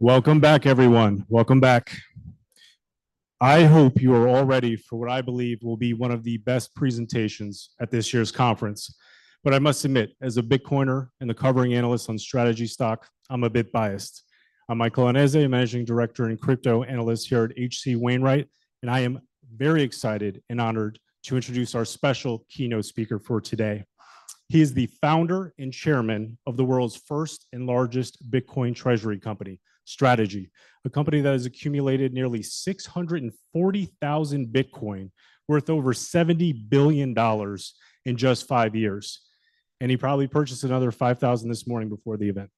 Welcome back, everyone. Welcome back. I hope you are all ready for what I believe will be one of the best presentations at this year's conference, but I must admit, as a Bitcoiner and the covering analyst on Strategy stock, I'm a bit biased. I'm Mike Colonnese, Managing Director and Crypto Analyst here at H.C. Wainwright, and I am very excited and honored to introduce our special keynote speaker for today. He is the founder and chairman of the world's first and largest Bitcoin treasury company, Strategy, a company that has accumulated nearly 640,000 Bitcoin, worth over $70 billion in just five years, and he probably purchased another 5,000 this morning before the event.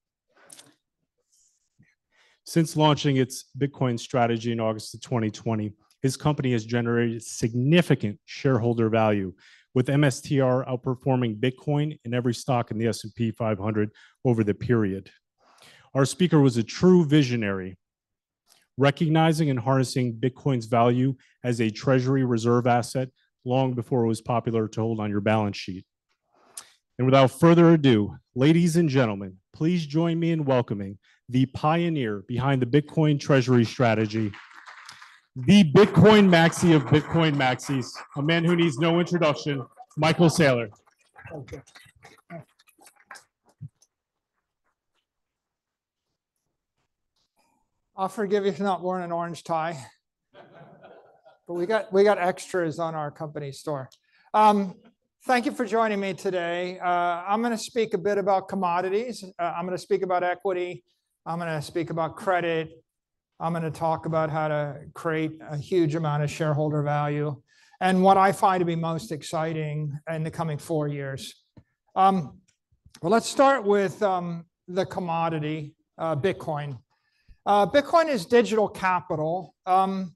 Since launching its Bitcoin strategy in August of 2020, his company has generated significant shareholder value, with MSTR outperforming Bitcoin and every stock in the S&P 500 over the period. Our speaker was a true visionary, recognizing and harnessing Bitcoin's value as a treasury reserve asset long before it was popular to hold on your balance sheet. And without further ado, ladies and gentlemen, please join me in welcoming the pioneer behind the Bitcoin treasury strategy, the Bitcoin Maxi of Bitcoin Maxis, a man who needs no introduction, Michael Saylor. I'll forgive you for not wearing an orange tie, but we got extras on our company store. Thank you for joining me today. I'm going to speak a bit about commodities. I'm going to speak about equity. I'm going to speak about credit. I'm going to talk about how to create a huge amount of shareholder value and what I find to be most exciting in the coming four years. Let's start with the commodity, Bitcoin. Bitcoin is digital capital. And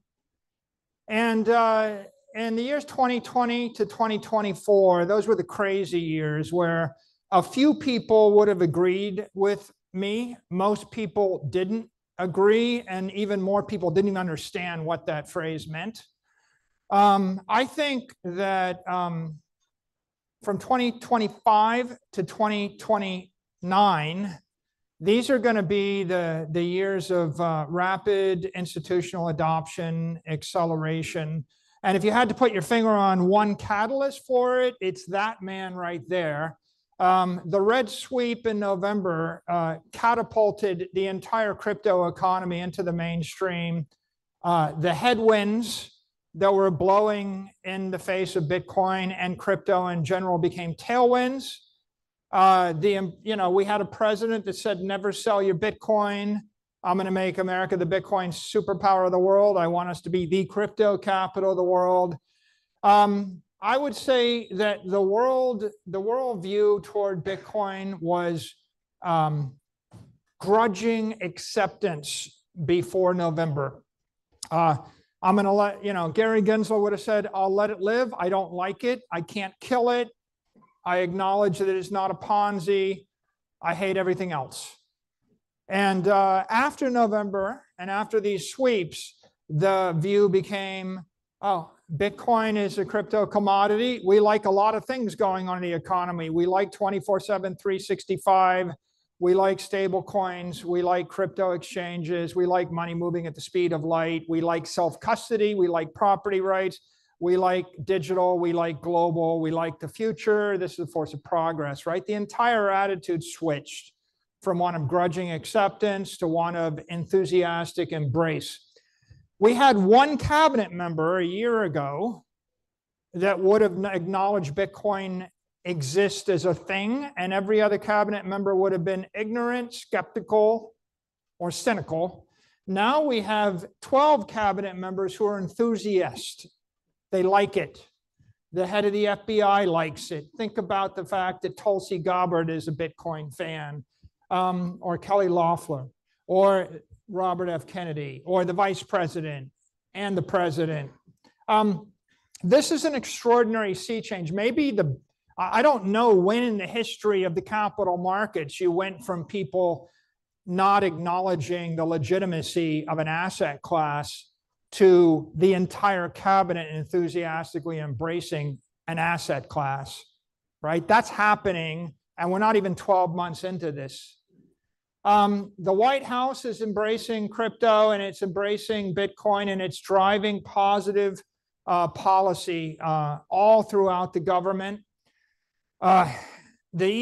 in the years 2020 to 2024, those were the crazy years where a few people would have agreed with me. Most people didn't agree, and even more people didn't understand what that phrase meant. I think that from 2025 to 2029, these are going to be the years of rapid institutional adoption, acceleration. If you had to put your finger on one catalyst for it, it's that man right there. The red sweep in November catapulted the entire crypto economy into the mainstream. The headwinds that were blowing in the face of Bitcoin and crypto in general became tailwinds. We had a president that said, "Never sell your Bitcoin. I'm going to make America the Bitcoin superpower of the world. I want us to be the crypto capital of the world." I would say that the worldview toward Bitcoin was grudging acceptance before November. I'm going to let Gary Gensler would have said, "I'll let it live. I don't like it. I can't kill it. I acknowledge that it's not a Ponzi. I hate everything else." After November and after these sweeps, the view became, "Oh, Bitcoin is a crypto commodity. We like a lot of things going on in the economy. We like 24/7, 365. We like stablecoins. We like crypto exchanges. We like money moving at the speed of light. We like self-custody. We like property rights. We like digital. We like global. We like the future. This is a force of progress." The entire attitude switched from one of grudging acceptance to one of enthusiastic embrace. We had one cabinet member a year ago that would have acknowledged Bitcoin exists as a thing, and every other cabinet member would have been ignorant, skeptical, or cynical. Now we have 12 cabinet members who are enthusiastic. They like it. The head of the FBI likes it. Think about the fact that Tulsi Gabbard is a Bitcoin fan, or Kelly Loeffler, or Robert F. Kennedy, or the vice president and the president. This is an extraordinary sea change. Maybe the—I don't know when in the history of the capital markets you went from people not acknowledging the legitimacy of an asset class to the entire cabinet enthusiastically embracing an asset class. That's happening, and we're not even 12 months into this. The White House is embracing crypto, and it's embracing Bitcoin, and it's driving positive policy all throughout the government. The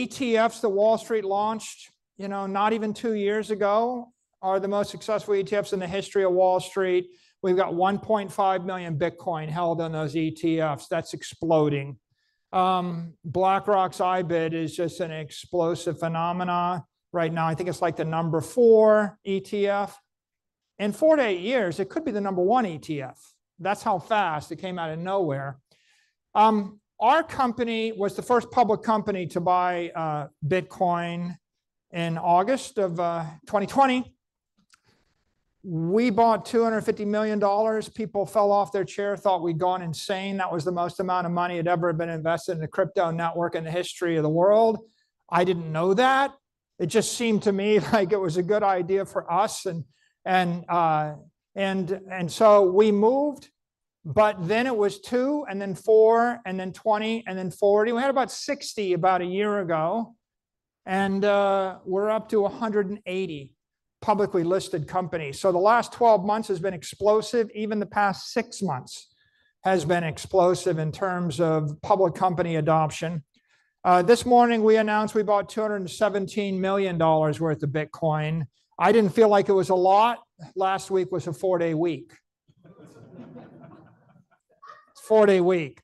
ETFs that Wall Street launched not even two years ago are the most successful ETFs in the history of Wall Street. We've got 1.5 million Bitcoin held on those ETFs. That's exploding. BlackRock's IBIT is just an explosive phenomenon right now. I think it's like the number four ETF. In four to eight years, it could be the number one ETF. That's how fast it came out of nowhere. Our company was the first public company to buy Bitcoin in August of 2020. We bought $250 million. People fell off their chairs, thought we'd gone insane. That was the most amount of money that had ever been invested in the crypto network in the history of the world. I didn't know that. It just seemed to me like it was a good idea for us and so we moved, but then it was two, and then four, and then 20, and then 40. We had about 60 a year ago, and we're up to 180 publicly listed companies so the last 12 months has been explosive. Even the past six months has been explosive in terms of public company adoption. This morning, we announced we bought $217 million worth of Bitcoin. I didn't feel like it was a lot last week was a four-day week. It's a four-day week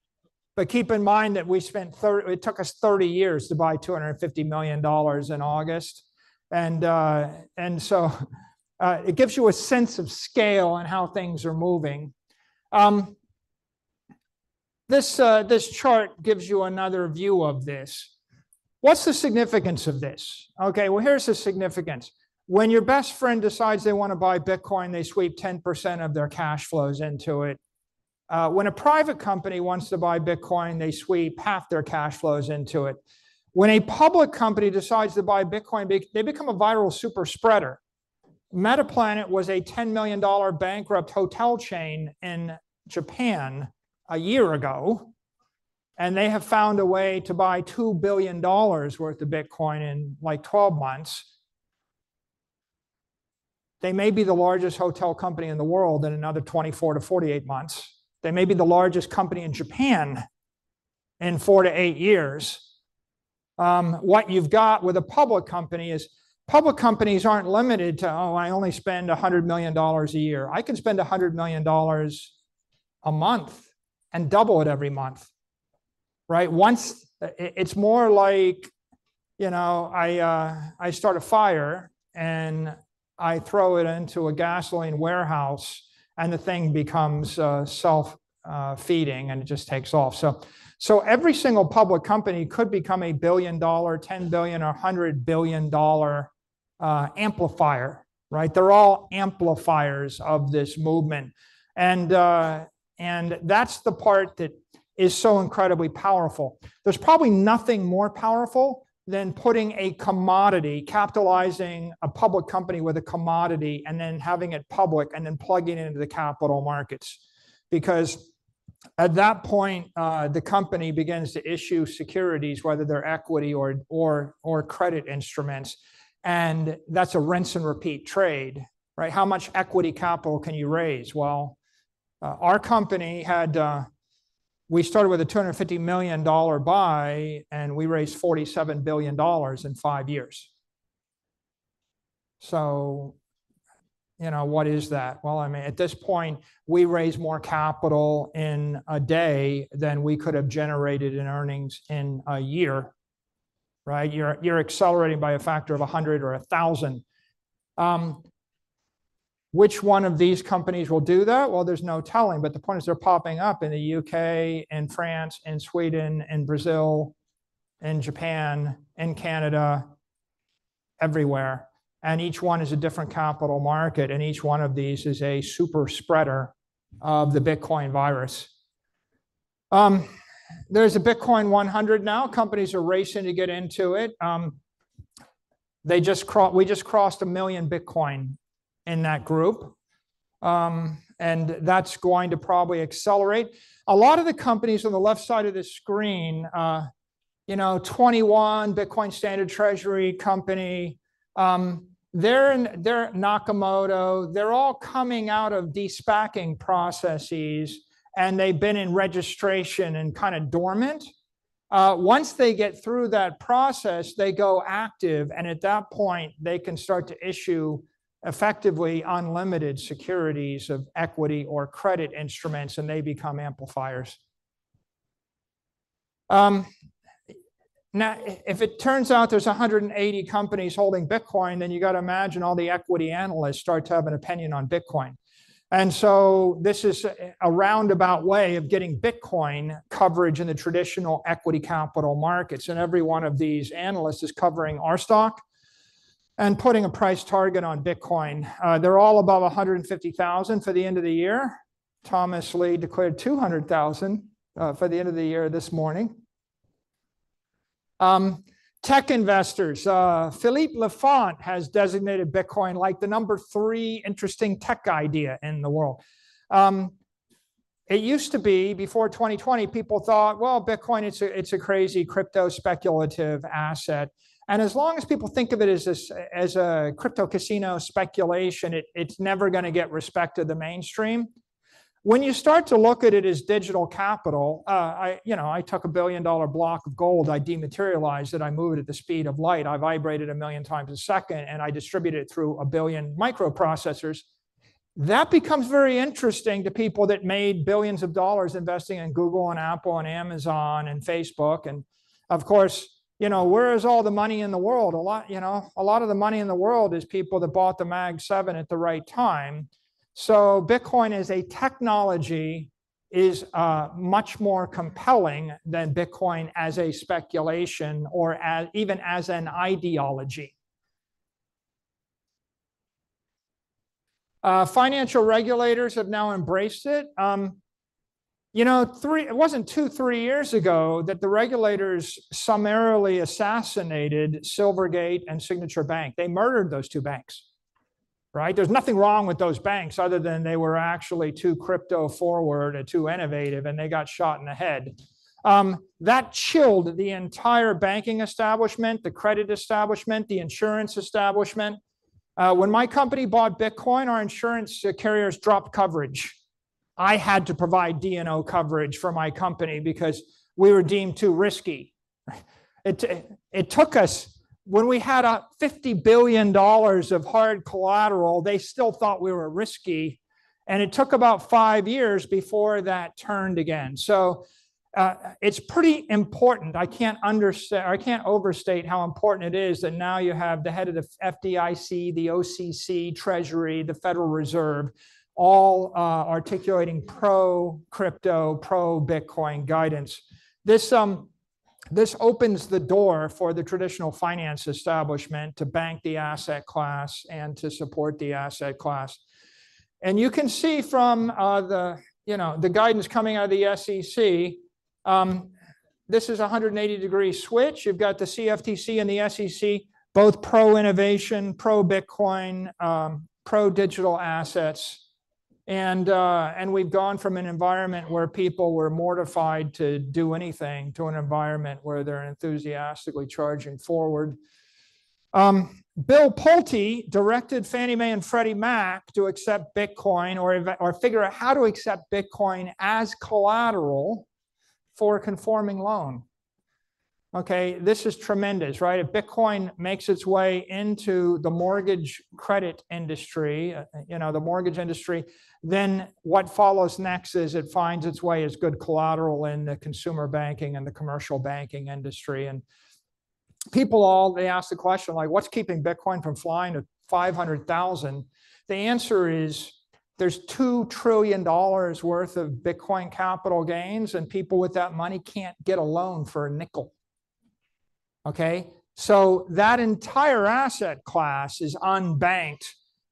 but keep in mind that we spent, it took us 30 years to buy $250 million in August. And so it gives you a sense of scale and how things are moving. This chart gives you another view of this. What's the significance of this? Okay, well, here's the significance. When your best friend decides they want to buy Bitcoin, they sweep 10% of their cash flows into it. When a private company wants to buy Bitcoin, they sweep half their cash flows into it. When a public company decides to buy Bitcoin, they become a viral super spreader. Metaplanet was a $10 million bankrupt hotel chain in Japan a year ago, and they have found a way to buy $2 billion worth of Bitcoin in like 12 months. They may be the largest hotel company in the world in another 24 to 48 months. They may be the largest company in Japan in four to eight years. What you've got with a public company is public companies aren't limited to, "Oh, I only spend $100 million a year." I can spend $100 million a month and double it every month. It's more like, you know, I start a fire and I throw it into a gasoline warehouse, and the thing becomes self-feeding and it just takes off. So every single public company could become a $1 billion, $10 billion, or $100 billion amplifier. They're all amplifiers of this movement. And that's the part that is so incredibly powerful. There's probably nothing more powerful than putting a commodity, capitalizing a public company with a commodity, and then having it public and then plugging it into the capital markets. Because at that point, the company begins to issue securities, whether they're equity or credit instruments. And that's a rinse and repeat trade. How much equity capital can you raise? Our company, we started with a $250 million buy, and we raised $47 billion in five years. What is that? I mean, at this point, we raise more capital in a day than we could have generated in earnings in a year. You're accelerating by a factor of 100 or 1,000. Which one of these companies will do that? There's no telling, but the point is they're popping up in the U.K. and France and Sweden and Brazil and Japan and Canada, everywhere. Each one is a different capital market, and each one of these is a super spreader of the Bitcoin virus. There's a Bitcoin 100 now. Companies are racing to get into it. We just crossed a million Bitcoin in that group, and that's going to probably accelerate. A lot of the companies on the left side of the screen, you know, 21 Bitcoin standard treasury company, they're Nakamoto. They're all coming out of despacking processes, and they've been in registration and kind of dormant. Once they get through that process, they go active, and at that point, they can start to issue effectively unlimited securities of equity or credit instruments, and they become amplifiers. Now, if it turns out there's 180 companies holding Bitcoin, then you got to imagine all the equity analysts start to have an opinion on Bitcoin. And so this is a roundabout way of getting Bitcoin coverage in the traditional equity capital markets. And every one of these analysts is covering our stock and putting a price target on Bitcoin. They're all above $150,000 for the end of the year. Thomas Lee declared $200,000 for the end of the year this morning. Tech investors, Philippe Laffont has designated Bitcoin as the number three interesting tech idea in the world. It used to be, before 2020, people thought, "Well, Bitcoin, it's a crazy crypto speculative asset." As long as people think of it as a crypto casino speculation, it's never going to get respect from the mainstream. When you start to look at it as digital capital, I took a $1 billion block of gold. I dematerialized it. I moved it at the speed of light. I vibrated a million times a second, and I distributed it through a billion microprocessors. That becomes very interesting to people that made billions of dollars investing in Google and Apple and Amazon and Facebook. Of course, where is all the money in the world? A lot of the money in the world is people that bought the Mag 7 at the right time. So Bitcoin as a technology is much more compelling than Bitcoin as a speculation or even as an ideology. Financial regulators have now embraced it. It wasn't two, three years ago that the regulators summarily assassinated Silvergate and Signature Bank. They murdered those two banks. There's nothing wrong with those banks other than they were actually too crypto-forward and too innovative, and they got shot in the head. That chilled the entire banking establishment, the credit establishment, the insurance establishment. When my company bought Bitcoin, our insurance carriers dropped coverage. I had to provide D&O coverage for my company because we were deemed too risky. It took us, when we had $50 billion of hard collateral, they still thought we were risky, and it took about five years before that turned again, so it's pretty important. I can't overstate how important it is that now you have the head of the FDIC, the OCC, Treasury, the Federal Reserve, all articulating pro-crypto, pro-Bitcoin guidance. This opens the door for the traditional finance establishment to bank the asset class and to support the asset class, and you can see from the guidance coming out of the SEC, this is a 180-degree switch. You've got the CFTC and the SEC, both pro-innovation, pro-Bitcoin, pro-digital assets, and we've gone from an environment where people were mortified to do anything to an environment where they're enthusiastically charging forward. Bill Pulte directed Fannie Mae and Freddie Mac to accept Bitcoin or figure out how to accept Bitcoin as collateral for a conforming loan. This is tremendous. If Bitcoin makes its way into the mortgage credit industry, the mortgage industry, then what follows next is it finds its way as good collateral in the consumer banking and the commercial banking industry. And people, they ask the question, like, "What's keeping Bitcoin from flying to 500,000?" The answer is there's $2 trillion worth of Bitcoin capital gains, and people with that money can't get a loan for a nickel. So that entire asset class is unbanked.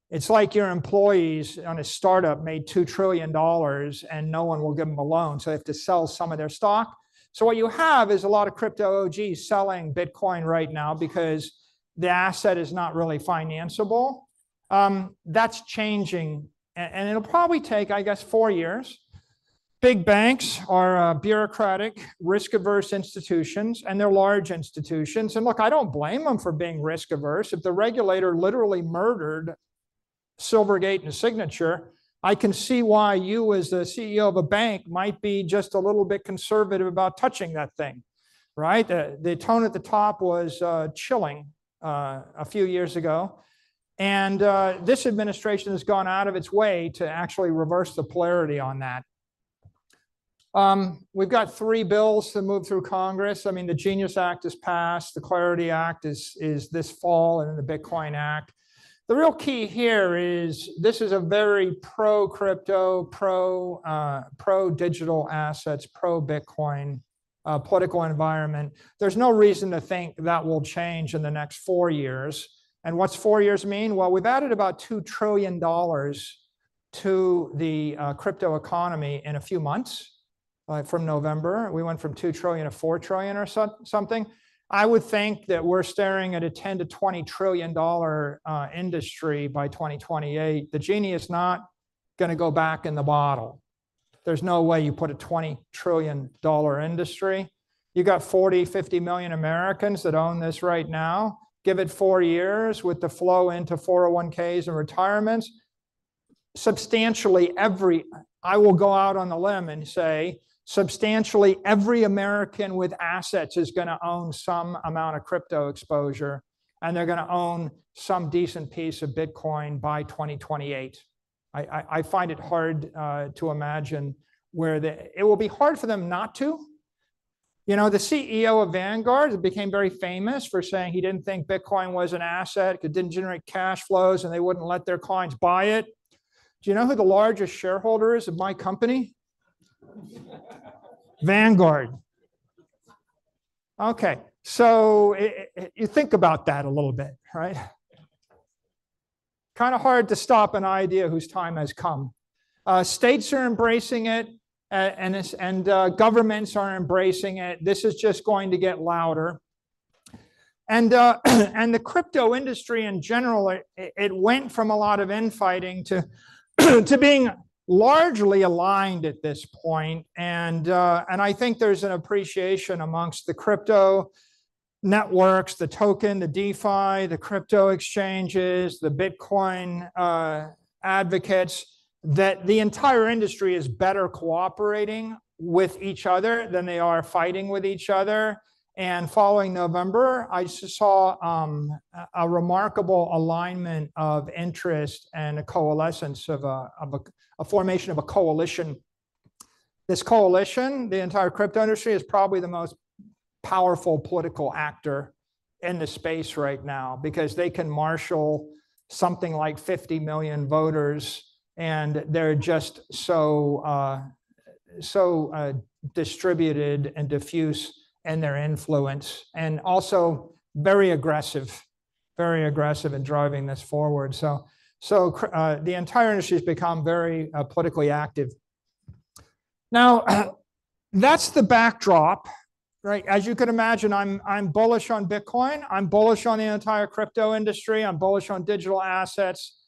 It's like your employees on a startup made $2 trillion, and no one will give them a loan, so they have to sell some of their stock. So what you have is a lot of crypto OGs selling Bitcoin right now because the asset is not really financeable. That's changing, and it'll probably take, I guess, four years. Big banks are bureaucratic, risk-averse institutions, and they're large institutions. Look, I don't blame them for being risk-averse. If the regulator literally murdered Silvergate and Signature, I can see why you, as the CEO of a bank, might be just a little bit conservative about touching that thing. The tone at the top was chilling a few years ago. And this administration has gone out of its way to actually reverse the polarity on that. We've got three bills to move through Congress. I mean, the Genius Act is passed. The Clarity Act is this fall and the Bitcoin Act. The real key here is this is a very pro-crypto, pro-digital assets, pro-Bitcoin political environment. There's no reason to think that will change in the next four years. And what's four years mean? Well, we've added about $2 trillion to the crypto economy in a few months, like from November. We went from $2 trillion to $4 trillion or something. I would think that we're staring at a $10-$20 trillion industry by 2028. The genie is not going to go back in the bottle. There's no way you put a $20 trillion industry. You got 40-50 million Americans that own this right now. Give it four years with the flow into 401(k)s and retirements. Substantially, every, I will go out on the limb and say, substantially, every American with assets is going to own some amount of crypto exposure, and they're going to own some decent piece of Bitcoin by 2028. I find it hard to imagine where it will be hard for them not to. The CEO of Vanguard became very famous for saying he didn't think Bitcoin was an asset, it didn't generate cash flows, and they wouldn't let their clients buy it. Do you know who the largest shareholder is of my company? Vanguard. Okay. So you think about that a little bit. Kind of hard to stop an idea whose time has come. States are embracing it, and governments are embracing it. This is just going to get louder, and the crypto industry in general, it went from a lot of infighting to being largely aligned at this point, and I think there's an appreciation among the crypto networks, the token, the DeFi, the crypto exchanges, the Bitcoin advocates, that the entire industry is better cooperating with each other than they are fighting with each other, and following November, I saw a remarkable alignment of interest and a coalescence of a formation of a coalition. This coalition, the entire crypto industry is probably the most powerful political actor in the space right now because they can marshal something like 50 million voters, and they're just so distributed and diffuse in their influence and also very aggressive, very aggressive in driving this forward, so the entire industry has become very politically active. Now, that's the backdrop. As you can imagine, I'm bullish on Bitcoin. I'm bullish on the entire crypto industry. I'm bullish on digital assets,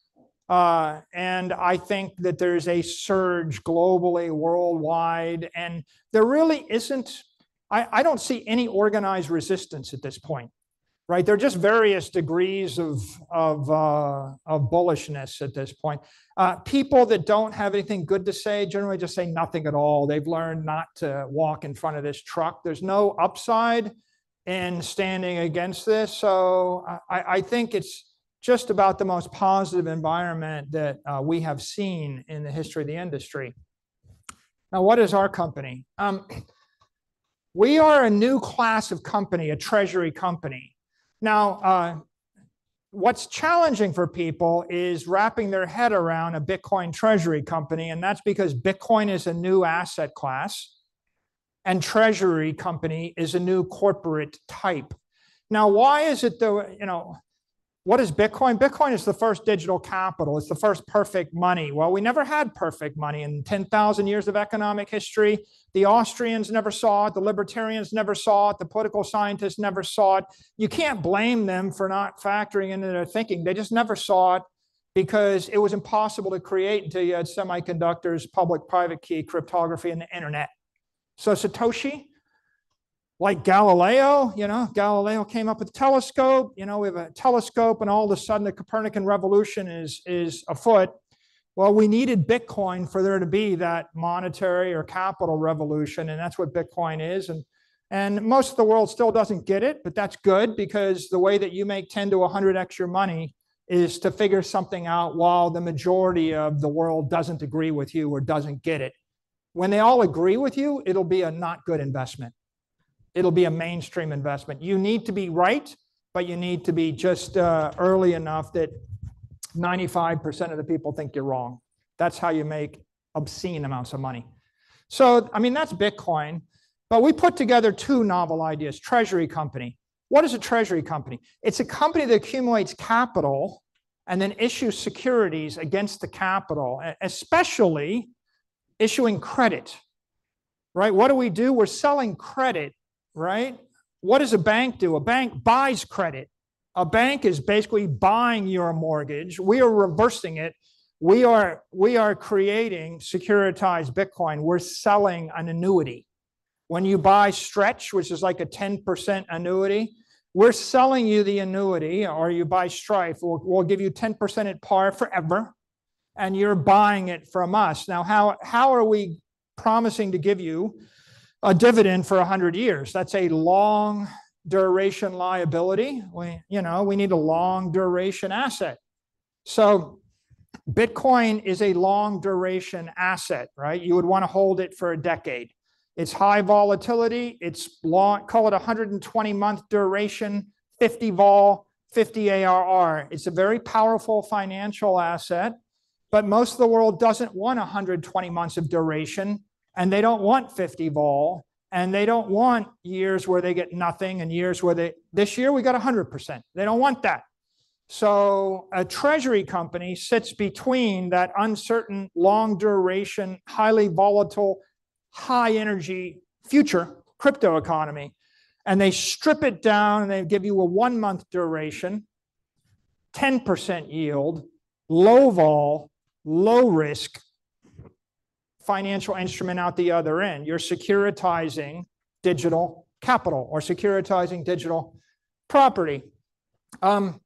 and I think that there's a surge globally, worldwide, and there really isn't. I don't see any organized resistance at this point. There are just various degrees of bullishness at this point. People that don't have anything good to say generally just say nothing at all. They've learned not to walk in front of this truck. There's no upside in standing against this. I think it's just about the most positive environment that we have seen in the history of the industry. Now, what is our company? We are a new class of company, a treasury company. Now, what's challenging for people is wrapping their head around a Bitcoin treasury company. That's because Bitcoin is a new asset class, and treasury company is a new corporate type. Now, why is it though? What is Bitcoin? Bitcoin is the first digital capital. It's the first perfect money. We never had perfect money in 10,000 years of economic history. The Austrians never saw it. The libertarians never saw it. The political scientists never saw it. You can't blame them for not factoring into their thinking. They just never saw it because it was impossible to create until you had semiconductors, public-private key cryptography and the internet. Satoshi, like Galileo, Galileo came up with the telescope. We have a telescope, and all of a sudden, the Copernican Revolution is afoot. Well, we needed Bitcoin for there to be that monetary or capital revolution, and that's what Bitcoin is. And most of the world still doesn't get it, but that's good because the way that you make 10 to 100 extra money is to figure something out while the majority of the world doesn't agree with you or doesn't get it. When they all agree with you, it'll be a not good investment. It'll be a mainstream investment. You need to be right, but you need to be just early enough that 95% of the people think you're wrong. That's how you make obscene amounts of money. So I mean, that's Bitcoin. But we put together two novel ideas, treasury company. What is a treasury company? It's a company that accumulates capital and then issues securities against the capital, especially issuing credit. What do we do? We're selling credit. What does a bank do? A bank buys credit. A bank is basically buying your mortgage. We are reversing it. We are creating securitized Bitcoin. We're selling an annuity. When you buy Stretch, which is like a 10% annuity, we're selling you the annuity, or you buy Strife, we'll give you 10% at par forever, and you're buying it from us. Now, how are we promising to give you a dividend for 100 years? That's a long-duration liability. We need a long-duration asset. So Bitcoin is a long-duration asset. You would want to hold it for a decade. It's high volatility. It's, call it, a 120-month duration, 50 vol, 50 ARR. It's a very powerful financial asset, but most of the world doesn't want 120 months of duration, and they don't want 50 vol, and they don't want years where they get nothing and years where this year we got 100%. They don't want that. So a treasury company sits between that uncertain, long-duration, highly volatile, high-energy future crypto economy, and they strip it down, and they give you a one-month duration, 10% yield, low vol, low-risk financial instrument out the other end. You're securitizing digital capital or securitizing digital property. That's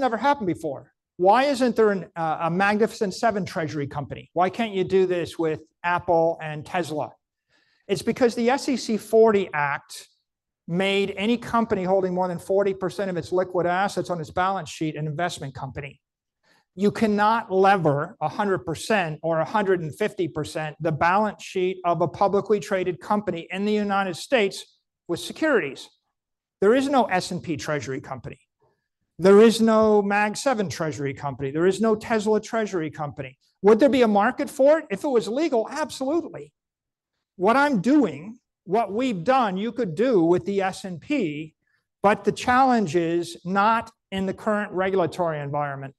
never happened before. Why isn't there a Magnificent Seven treasury company? Why can't you do this with Apple and Tesla? It's because the SEC 40 Act made any company holding more than 40% of its liquid assets on its balance sheet an investment company. You cannot leverage 100% or 150% the balance sheet of a publicly traded company in the United States with securities. There is no S&P treasury company. There is no Mag Seven treasury company. There is no Tesla treasury company. Would there be a market for it? If it was legal, absolutely. What I'm doing, what we've done, you could do with the S&P, but the challenge is not in the current regulatory environment.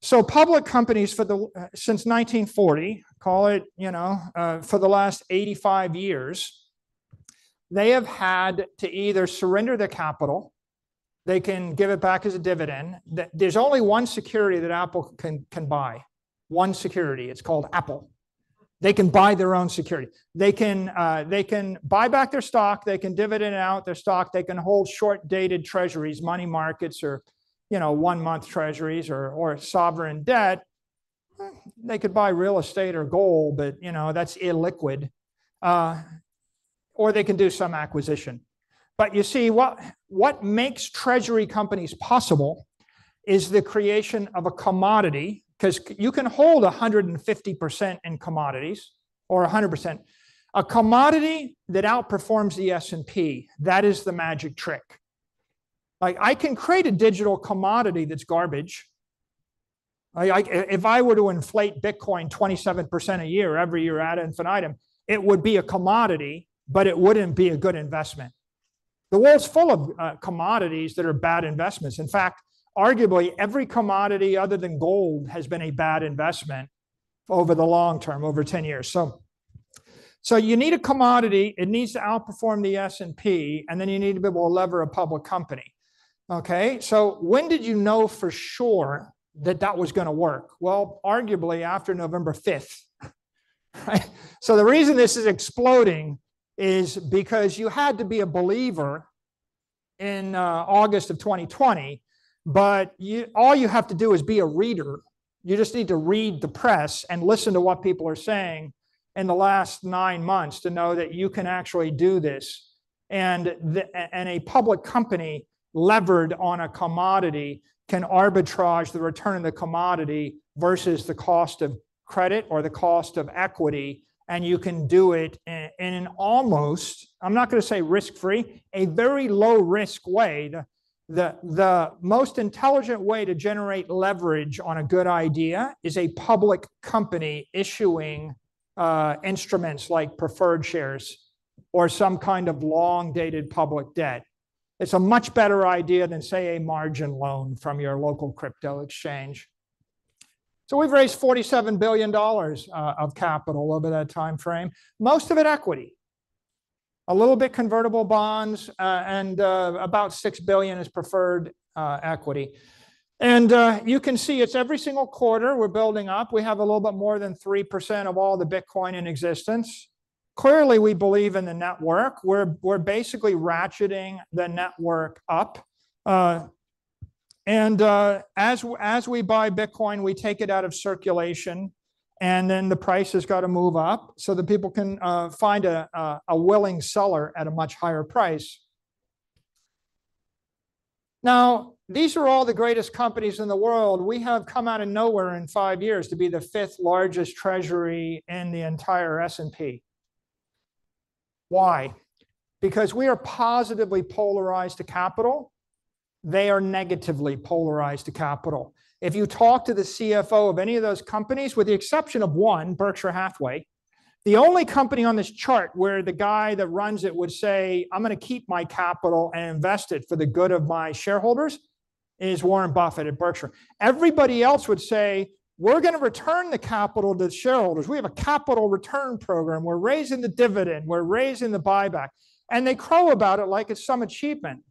So public companies since 1940, call it for the last 85 years, they have had to either surrender their capital. They can give it back as a dividend. There's only one security that Apple can buy. One security. It's called Apple. They can buy their own security. They can buy back their stock. They can dividend out their stock. They can hold short-dated treasuries, money markets, or one-month treasuries or sovereign debt. They could buy real estate or gold, but that's illiquid. Or they can do some acquisition. But you see, what makes treasury companies possible is the creation of a commodity because you can hold 150% in commodities or 100% a commodity that outperforms the S&P. That is the magic trick. I can create a digital commodity that's garbage. If I were to inflate Bitcoin 27% a year, every year adding an item, it would be a commodity, but it wouldn't be a good investment. The world's full of commodities that are bad investments. In fact, arguably every commodity other than gold has been a bad investment over the long term, over 10 years. So you need a commodity. It needs to outperform the S&P, and then you need to be able to lever a public company. So when did you know for sure that that was going to work? Well, arguably after November 5th, so the reason this is exploding is because you had to be a believer in August of 2020, but all you have to do is be a reader. You just need to read the press and listen to what people are saying in the last nine months to know that you can actually do this, and a public company levered on a commodity can arbitrage the return of the commodity versus the cost of credit or the cost of equity, and you can do it in an almost, I'm not going to say risk-free, a very low-risk way. The most intelligent way to generate leverage on a good idea is a public company issuing instruments like preferred shares or some kind of long-dated public debt. It's a much better idea than, say, a margin loan from your local crypto exchange. So we've raised $47 billion of capital over that time frame, most of it equity, a little bit convertible bonds, and about $6 billion is preferred equity. And you can see it's every single quarter we're building up. We have a little bit more than 3% of all the Bitcoin in existence. Clearly, we believe in the network. We're basically ratcheting the network up. And as we buy Bitcoin, we take it out of circulation, and then the price has got to move up so that people can find a willing seller at a much higher price. Now, these are all the greatest companies in the world. We have come out of nowhere in five years to be the fifth largest treasury in the entire S&P. Why? Because we are positively polarized to capital. They are negatively polarized to capital. If you talk to the CFO of any of those companies, with the exception of one, Berkshire Hathaway, the only company on this chart where the guy that runs it would say, "I'm going to keep my capital and invest it for the good of my shareholders," is Warren Buffett at Berkshire. Everybody else would say, "We're going to return the capital to the shareholders. We have a capital return program. We're raising the dividend. We're raising the buyback." And they crow about it like it's some achievement.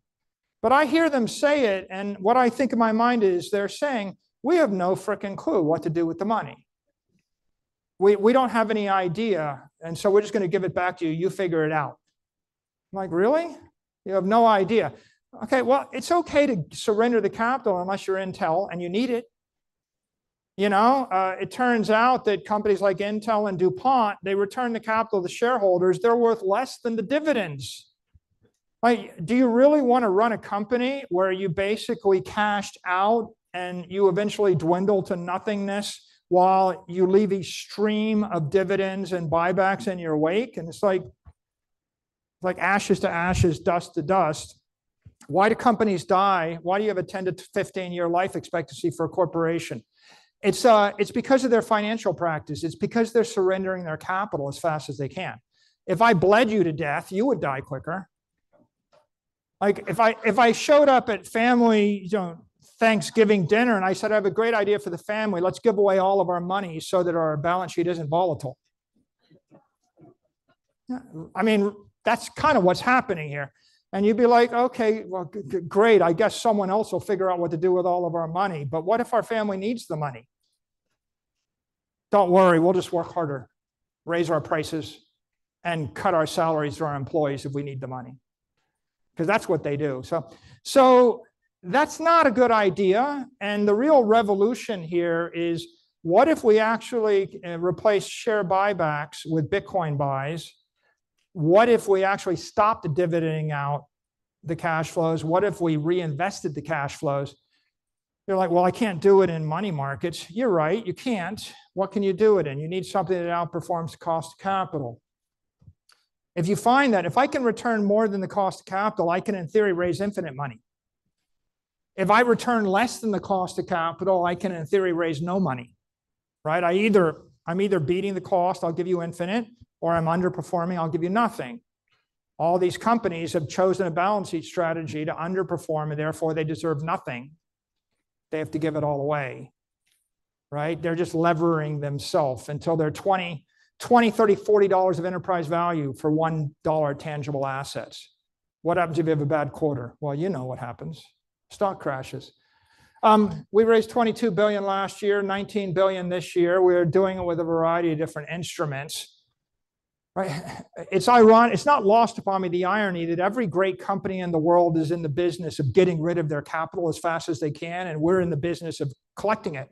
But I hear them say it, and what I think in my mind is they're saying, "We have no freaking clue what to do with the money. We don't have any idea, and so we're just going to give it back to you. You figure it out." I'm like, "Really? You have no idea." Okay. It's okay to surrender the capital unless you're Intel and you need it. It turns out that companies like Intel and DuPont, they return the capital to shareholders. They're worth less than the dividends. Do you really want to run a company where you basically cashed out and you eventually dwindle to nothingness while you leave a stream of dividends and buybacks in your wake? It's like ashes to ashes, dust to dust. Why do companies die? Why do you have a 10-15-year life expectancy for a corporation? It's because of their financial practice. It's because they're surrendering their capital as fast as they can. If I bled you to death, you would die quicker. If I showed up at family Thanksgiving dinner and I said, "I have a great idea for the family. Let's give away all of our money so that our balance sheet isn't volatile." I mean, that's kind of what's happening here. And you'd be like, "Okay. Well, great. I guess someone else will figure out what to do with all of our money. But what if our family needs the money? Don't worry. We'll just work harder, raise our prices, and cut our salaries to our employees if we need the money." Because that's what they do. So that's not a good idea. And the real revolution here is, what if we actually replace share buybacks with Bitcoin buys? What if we actually stopped dividending out the cash flows? What if we reinvested the cash flows? You're like, "Well, I can't do it in money markets." You're right. You can't. What can you do it in? You need something that outperforms the cost of capital. If you find that if I can return more than the cost of capital, I can, in theory, raise infinite money. If I return less than the cost of capital, I can, in theory, raise no money. I'm either beating the cost, I'll give you infinite, or I'm underperforming, I'll give you nothing. All these companies have chosen a balance sheet strategy to underperform, and therefore, they deserve nothing. They have to give it all away. They're just levering themselves until they're $20, $30, $40 of enterprise value for $1 tangible assets. What happens if you have a bad quarter? Well, you know what happens. Stock crashes. We raised $22 billion last year, $19 billion this year. We're doing it with a variety of different instruments. It's not lost upon me, the irony that every great company in the world is in the business of getting rid of their capital as fast as they can, and we're in the business of collecting it.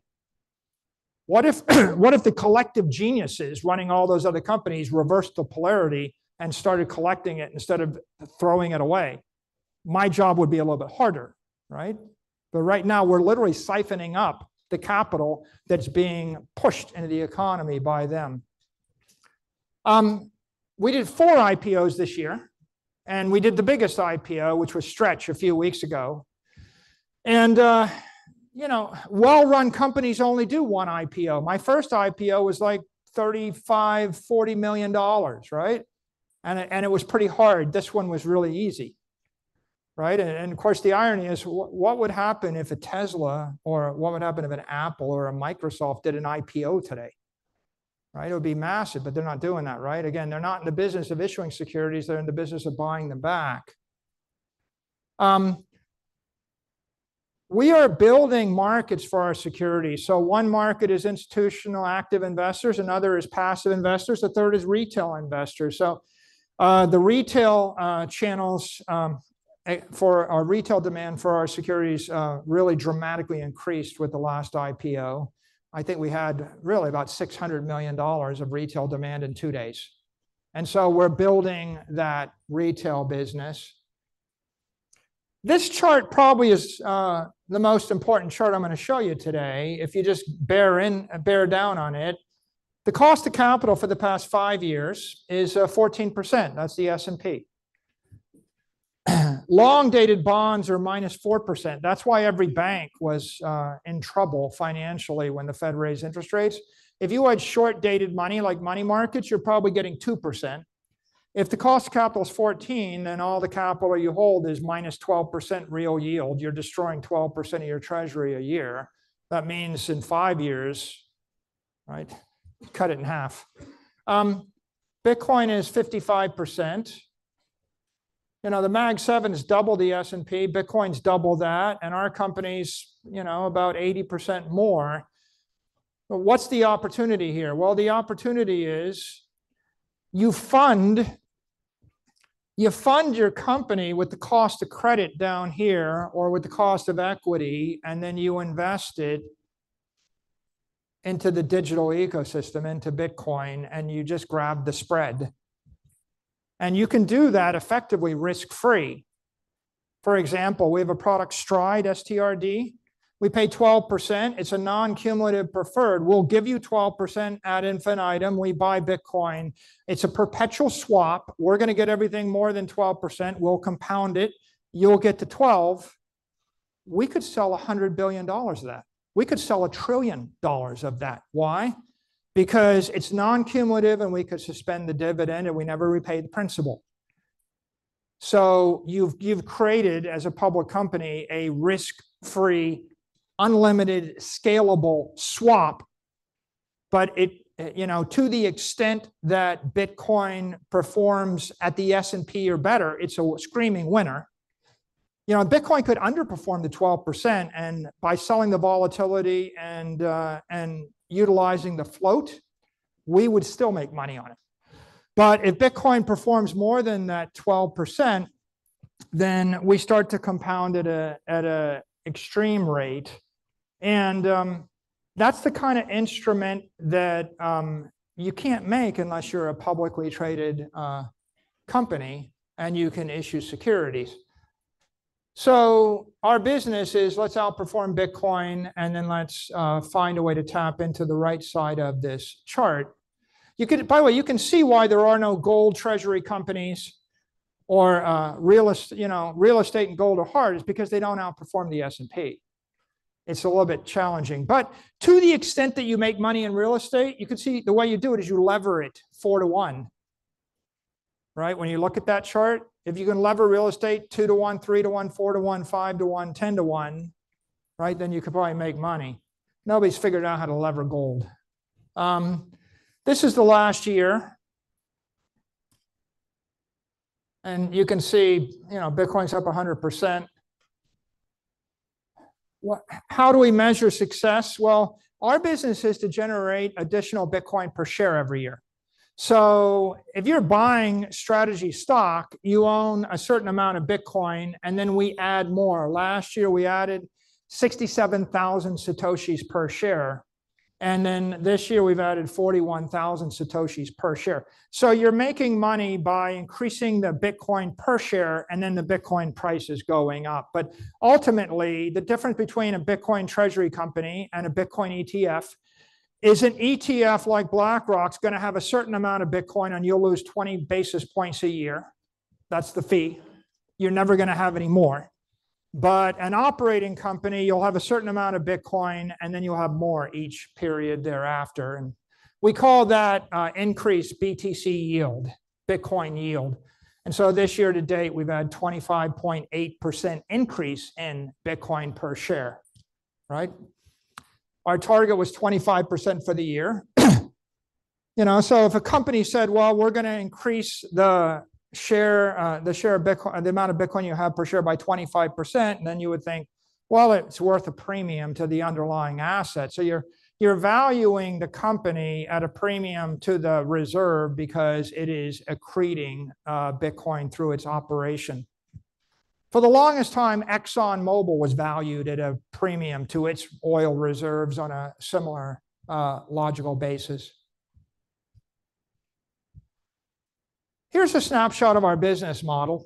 What if the collective geniuses running all those other companies reversed the polarity and started collecting it instead of throwing it away? My job would be a little bit harder. But right now, we're literally siphoning up the capital that's being pushed into the economy by them. We did four IPOs this year, and we did the biggest IPO, which was Stretch a few weeks ago. And well-run companies only do one IPO. My first IPO was like $35-$40 million. And it was pretty hard. This one was really easy. Of course, the irony is, what would happen if a Tesla or what would happen if an Apple or a Microsoft did an IPO today? It would be massive, but they're not doing that. Again, they're not in the business of issuing securities. They're in the business of buying them back. We are building markets for our securities. So one market is institutional active investors. Another is passive investors. The third is retail investors. So the retail channels for our retail demand for our securities really dramatically increased with the last IPO. I think we had really about $600 million of retail demand in two days. And so we're building that retail business. This chart probably is the most important chart I'm going to show you today. If you just bear down on it, the cost of capital for the past five years is 14%. That's the S&P. Long-dated bonds are minus 4%. That's why every bank was in trouble financially when the Fed raised interest rates. If you had short-dated money like money markets, you're probably getting 2%. If the cost of capital is 14%, then all the capital you hold is minus 12% real yield. You're destroying 12% of your treasury a year. That means in five years, cut it in half. Bitcoin is 55%. The Mag Seven has doubled the S&P. Bitcoin's doubled that, and our company's about 80% more. But what's the opportunity here? Well, the opportunity is you fund your company with the cost of credit down here or with the cost of equity, and then you invest it into the digital ecosystem, into Bitcoin, and you just grab the spread, and you can do that effectively risk-free. For example, we have a product, Stride, STRD. We pay 12%. It's a non-cumulative preferred. We'll give you 12% infinite term. We buy Bitcoin. It's a perpetual swap. We're going to get everything more than 12%. We'll compound it. You'll get to 12. We could sell $100 billion of that. We could sell $1 trillion of that. Why? Because it's non-cumulative, and we could suspend the dividend, and we never repay the principal. So you've created, as a public company, a risk-free, unlimited, scalable swap. But to the extent that Bitcoin performs at the S&P or better, it's a screaming winner. Bitcoin could underperform the 12%, and by selling the volatility and utilizing the float, we would still make money on it. But if Bitcoin performs more than that 12%, then we start to compound at an extreme rate. And that's the kind of instrument that you can't make unless you're a publicly traded company, and you can issue securities. Our business is, let's outperform Bitcoin, and then let's find a way to tap into the right side of this chart. By the way, you can see why there are no gold treasury companies or real estate and gold are hard. It's because they don't outperform the S&P. It's a little bit challenging. To the extent that you make money in real estate, you can see the way you do it is you lever it four to one. When you look at that chart, if you can lever real estate two to one, three to one, four to one, five to one, 10 to one, then you could probably make money. Nobody's figured out how to lever gold. This is the last year. You can see Bitcoin's up 100%. How do we measure success? Our business is to generate additional Bitcoin per share every year. If you're buying Strategy stock, you own a certain amount of Bitcoin, and then we add more. Last year, we added 67,000 Satoshis per share. This year, we've added 41,000 Satoshis per share. You're making money by increasing the Bitcoin per share, and then the Bitcoin price is going up. Ultimately, the difference between a Bitcoin treasury company and a Bitcoin ETF is an ETF like BlackRock's going to have a certain amount of Bitcoin, and you'll lose 20 basis points a year. That's the fee. You're never going to have any more. An operating company, you'll have a certain amount of Bitcoin, and then you'll have more each period thereafter. We call that increased BTC yield, Bitcoin yield. This year to date, we've had a 25.8% increase in Bitcoin per share. Our target was 25% for the year. So if a company said, "Well, we're going to increase the share of the amount of Bitcoin you have per share by 25%," then you would think, "Well, it's worth a premium to the underlying asset." So you're valuing the company at a premium to the reserve because it is accreting Bitcoin through its operation. For the longest time, ExxonMobil was valued at a premium to its oil reserves on a similar logical basis. Here's a snapshot of our business model.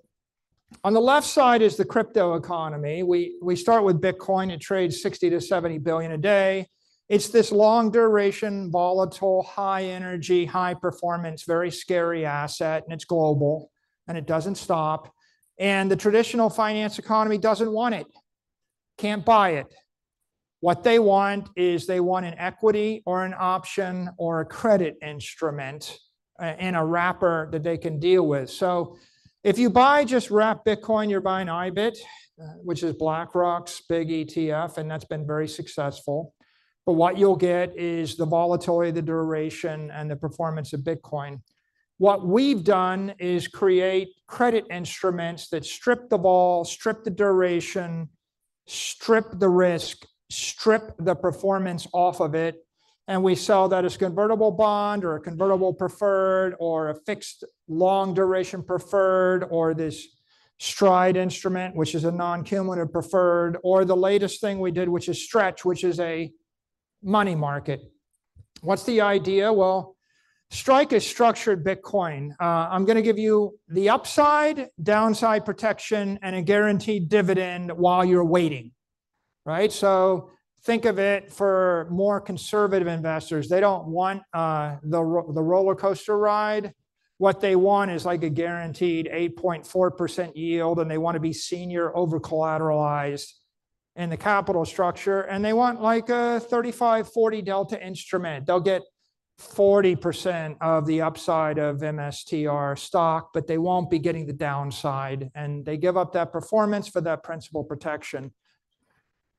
On the left side is the crypto economy. We start with Bitcoin. It trades $60-70 billion a day. It's this long-duration, volatile, high-energy, high-performance, very scary asset, and it's global, and it doesn't stop. And the traditional finance economy doesn't want it. Can't buy it. What they want is they want an equity or an option or a credit instrument in a wrapper that they can deal with. So if you just buy wrapped Bitcoin, you're buying IBIT, which is BlackRock's big ETF, and that's been very successful. But what you'll get is the volatility, the duration, and the performance of Bitcoin. What we've done is create credit instruments that strip the vol, strip the duration, strip the risk, strip the performance off of it, and we sell that as convertible bond or a convertible preferred or a fixed long-duration preferred or this Stride instrument, which is a non-cumulative preferred, or the latest thing we did, which is Stretch, which is a money market. What's the idea? Well, Strike is structured Bitcoin. I'm going to give you the upside, downside protection, and a guaranteed dividend while you're waiting. Think of it for more conservative investors. They don't want the roller coaster ride. What they want is like a guaranteed 8.4% yield, and they want to be senior over-collateralized in the capital structure. They want like a 35-40 delta instrument. They'll get 40% of the upside of MSTR stock, but they won't be getting the downside. They give up that performance for that principal protection.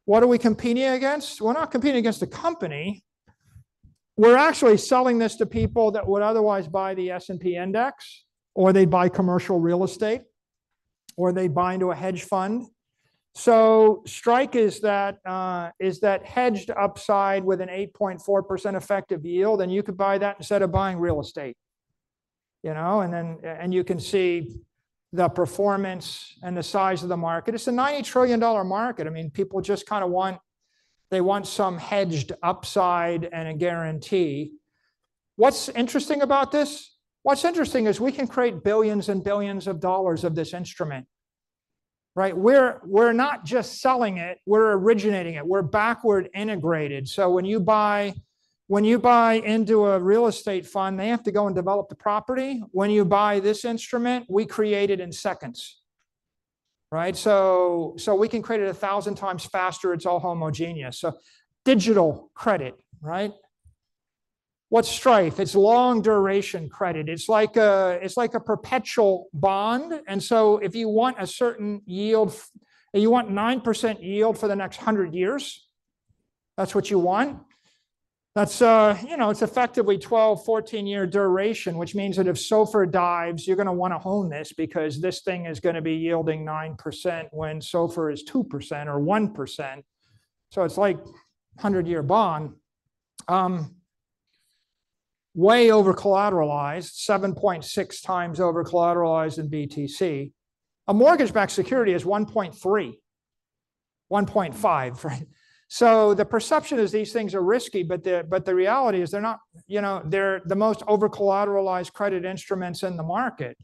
What are we competing against? We're not competing against a company. We're actually selling this to people that would otherwise buy the S&P index, or they'd buy commercial real estate, or they'd buy into a hedge fund. Strike is that hedged upside with an 8.4% effective yield, and you could buy that instead of buying real estate. You can see the performance and the size of the market. It's a $90 trillion market. I mean, people just kind of want they want some hedged upside and a guarantee. What's interesting about this? What's interesting is we can create billions and billions of dollars of this instrument. We're not just selling it. We're originating it. We're backward integrated. So when you buy into a real estate fund, they have to go and develop the property. When you buy this instrument, we create it in seconds. So we can create it a thousand times faster. It's all homogeneous. So digital credit. What's Strife? It's long-duration credit. It's like a perpetual bond. And so if you want a certain yield, you want 9% yield for the next 100 years, that's what you want. It's effectively 12-14-year duration, which means that if SOFR dives, you're going to want to own this because this thing is going to be yielding 9% when SOFR is 2% or 1%. So it's like a 100-year bond. Way over-collateralized, 7.6 times over-collateralized in BTC. A mortgage-backed security is 1.3, 1.5. So the perception is these things are risky, but the reality is they're the most over-collateralized credit instruments in the market.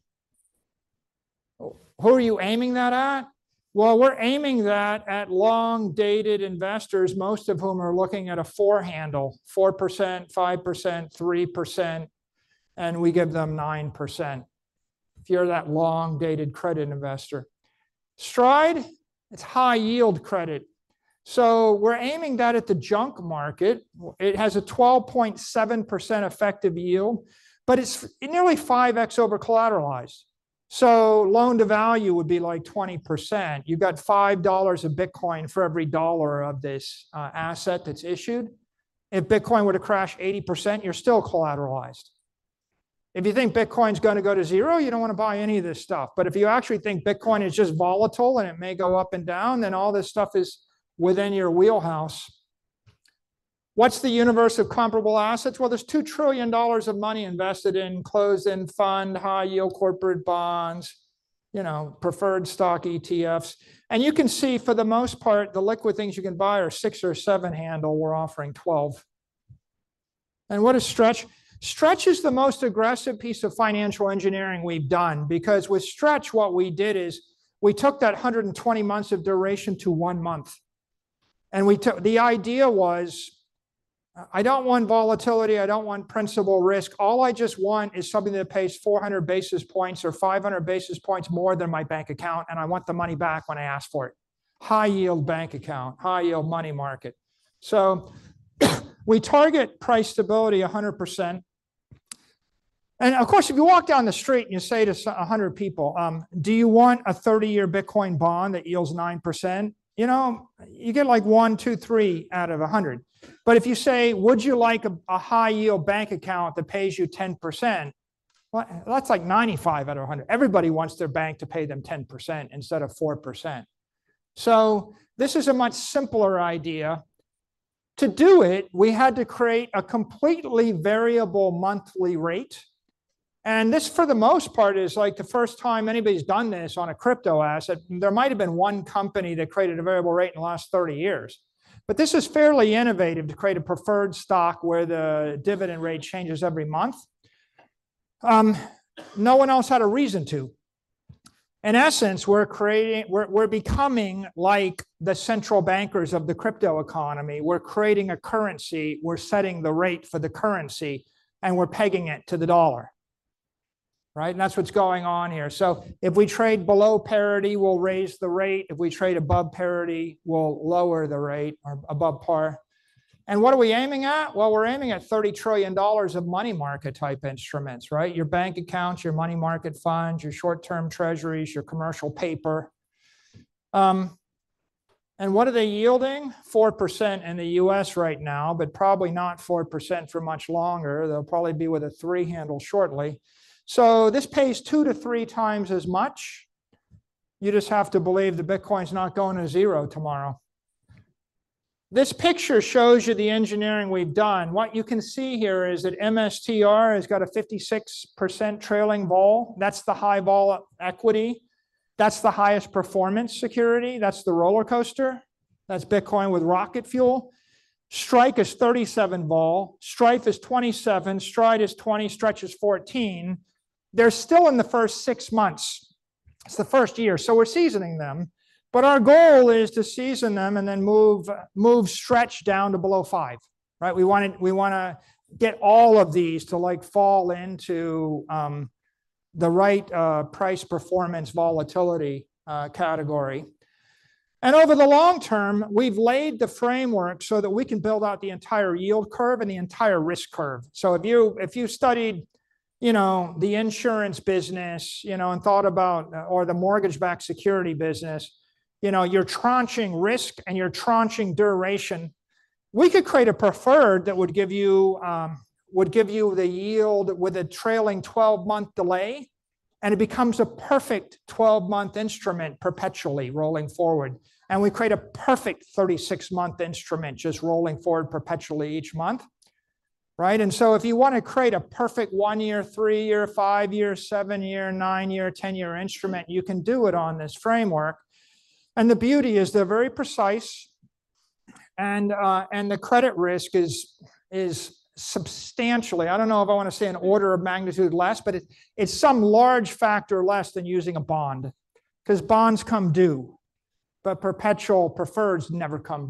Who are you aiming that at? Well, we're aiming that at long-dated investors, most of whom are looking at a four handle, 4%, 5%, 3%, and we give them 9% if you're that long-dated credit investor. Stride, it's high-yield credit. So we're aiming that at the junk market. It has a 12.7% effective yield, but it's nearly 5x over-collateralized. So loan-to-value would be like 20%. You've got $5 a Bitcoin for every dollar of this asset that's issued. If Bitcoin were to crash 80%, you're still collateralized. If you think Bitcoin's going to go to zero, you don't want to buy any of this stuff. But if you actually think Bitcoin is just volatile and it may go up and down, then all this stuff is within your wheelhouse. What's the universe of comparable assets? Well, there's $2 trillion of money invested in closed-end fund, high-yield corporate bonds, preferred stock ETFs. And you can see, for the most part, the liquid things you can buy are six or seven handle. We're offering 12. And what is Stretch? Stretch is the most aggressive piece of financial engineering we've done because with Stretch, what we did is we took that 120 months of duration to one month. And the idea was, I don't want volatility. I don't want principal risk. All I just want is something that pays 400 basis points or 500 basis points more than my bank account, and I want the money back when I ask for it. High-yield bank account, high-yield money market. We target price stability 100%. And of course, if you walk down the street and you say to 100 people, "Do you want a 30-year Bitcoin bond that yields 9%?" You get like one, two, three out of 100. But if you say, "Would you like a high-yield bank account that pays you 10%?" That's like 95 out of 100. Everybody wants their bank to pay them 10% instead of 4%. So this is a much simpler idea. To do it, we had to create a completely variable monthly rate. And this, for the most part, is like the first time anybody's done this on a crypto asset. There might have been one company that created a variable rate in the last 30 years. But this is fairly innovative to create a preferred stock where the dividend rate changes every month. No one else had a reason to. In essence, we're becoming like the central bankers of the crypto economy. We're creating a currency. We're setting the rate for the currency, and we're pegging it to the dollar, and that's what's going on here, so if we trade below parity, we'll raise the rate. If we trade above parity, we'll lower the rate or above par, and what are we aiming at, well, we're aiming at $30 trillion of money market type instruments, right? Your bank accounts, your money market funds, your short-term treasuries, your commercial paper, and what are they yielding? 4% in the U.S. right now, but probably not 4% for much longer. They'll probably be with a three handle shortly, so this pays two to three times as much. You just have to believe the Bitcoin's not going to zero tomorrow. This picture shows you the engineering we've done. What you can see here is that MSTR has got a 56% trailing vol. That's the high vol equity. That's the highest performance security. That's the roller coaster. That's Bitcoin with rocket fuel. Strike is 37% vol. Strife is 27%. Stride is 20%. Stretch is 14%. They're still in the first six months. It's the first year. So we're seasoning them. But our goal is to season them and then move Stretch down to below five. We want to get all of these to fall into the right price performance volatility category, and over the long term, we've laid the framework so that we can build out the entire yield curve and the entire risk curve, so if you studied the insurance business and thought about or the mortgage-backed security business, you're tranching risk and you're tranching duration. We could create a preferred that would give you the yield with a trailing 12-month delay, and it becomes a perfect 12-month instrument perpetually rolling forward. And we create a perfect 36-month instrument just rolling forward perpetually each month. And so if you want to create a perfect one-year, three-year, five-year, seven-year, nine-year, 10-year instrument, you can do it on this framework. And the beauty is they're very precise. And the credit risk is substantially - I don't know if I want to say an order of magnitude less, but it's some large factor less than using a bond because bonds come due, but perpetual preferreds never come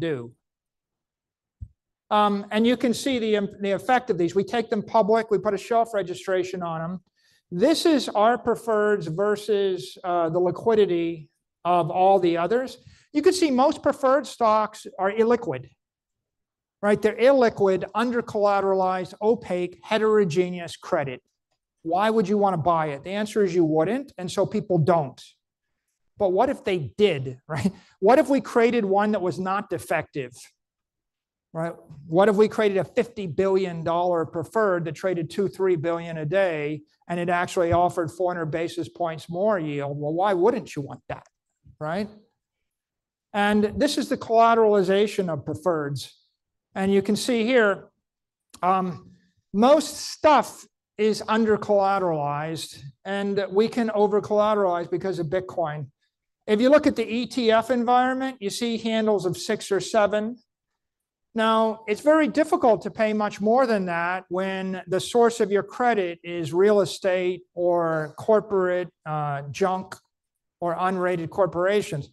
due. And you can see the effect of these. We take them public. We put a shelf registration on them. This is our preferreds versus the liquidity of all the others. You can see most preferred stocks are illiquid. They're illiquid, under-collateralized, opaque, heterogeneous credit. Why would you want to buy it? The answer is you wouldn't. And so people don't. But what if they did? What if we created one that was not defective? What if we created a $50 billion preferred that traded 2-3 billion a day, and it actually offered 400 basis points more yield? Well, why wouldn't you want that? And this is the collateralization of preferreds. And you can see here, most stuff is under-collateralized, and we can over-collateralize because of Bitcoin. If you look at the ETF environment, you see handles of six or seven. Now, it's very difficult to pay much more than that when the source of your credit is real estate or corporate junk or unrated corporations.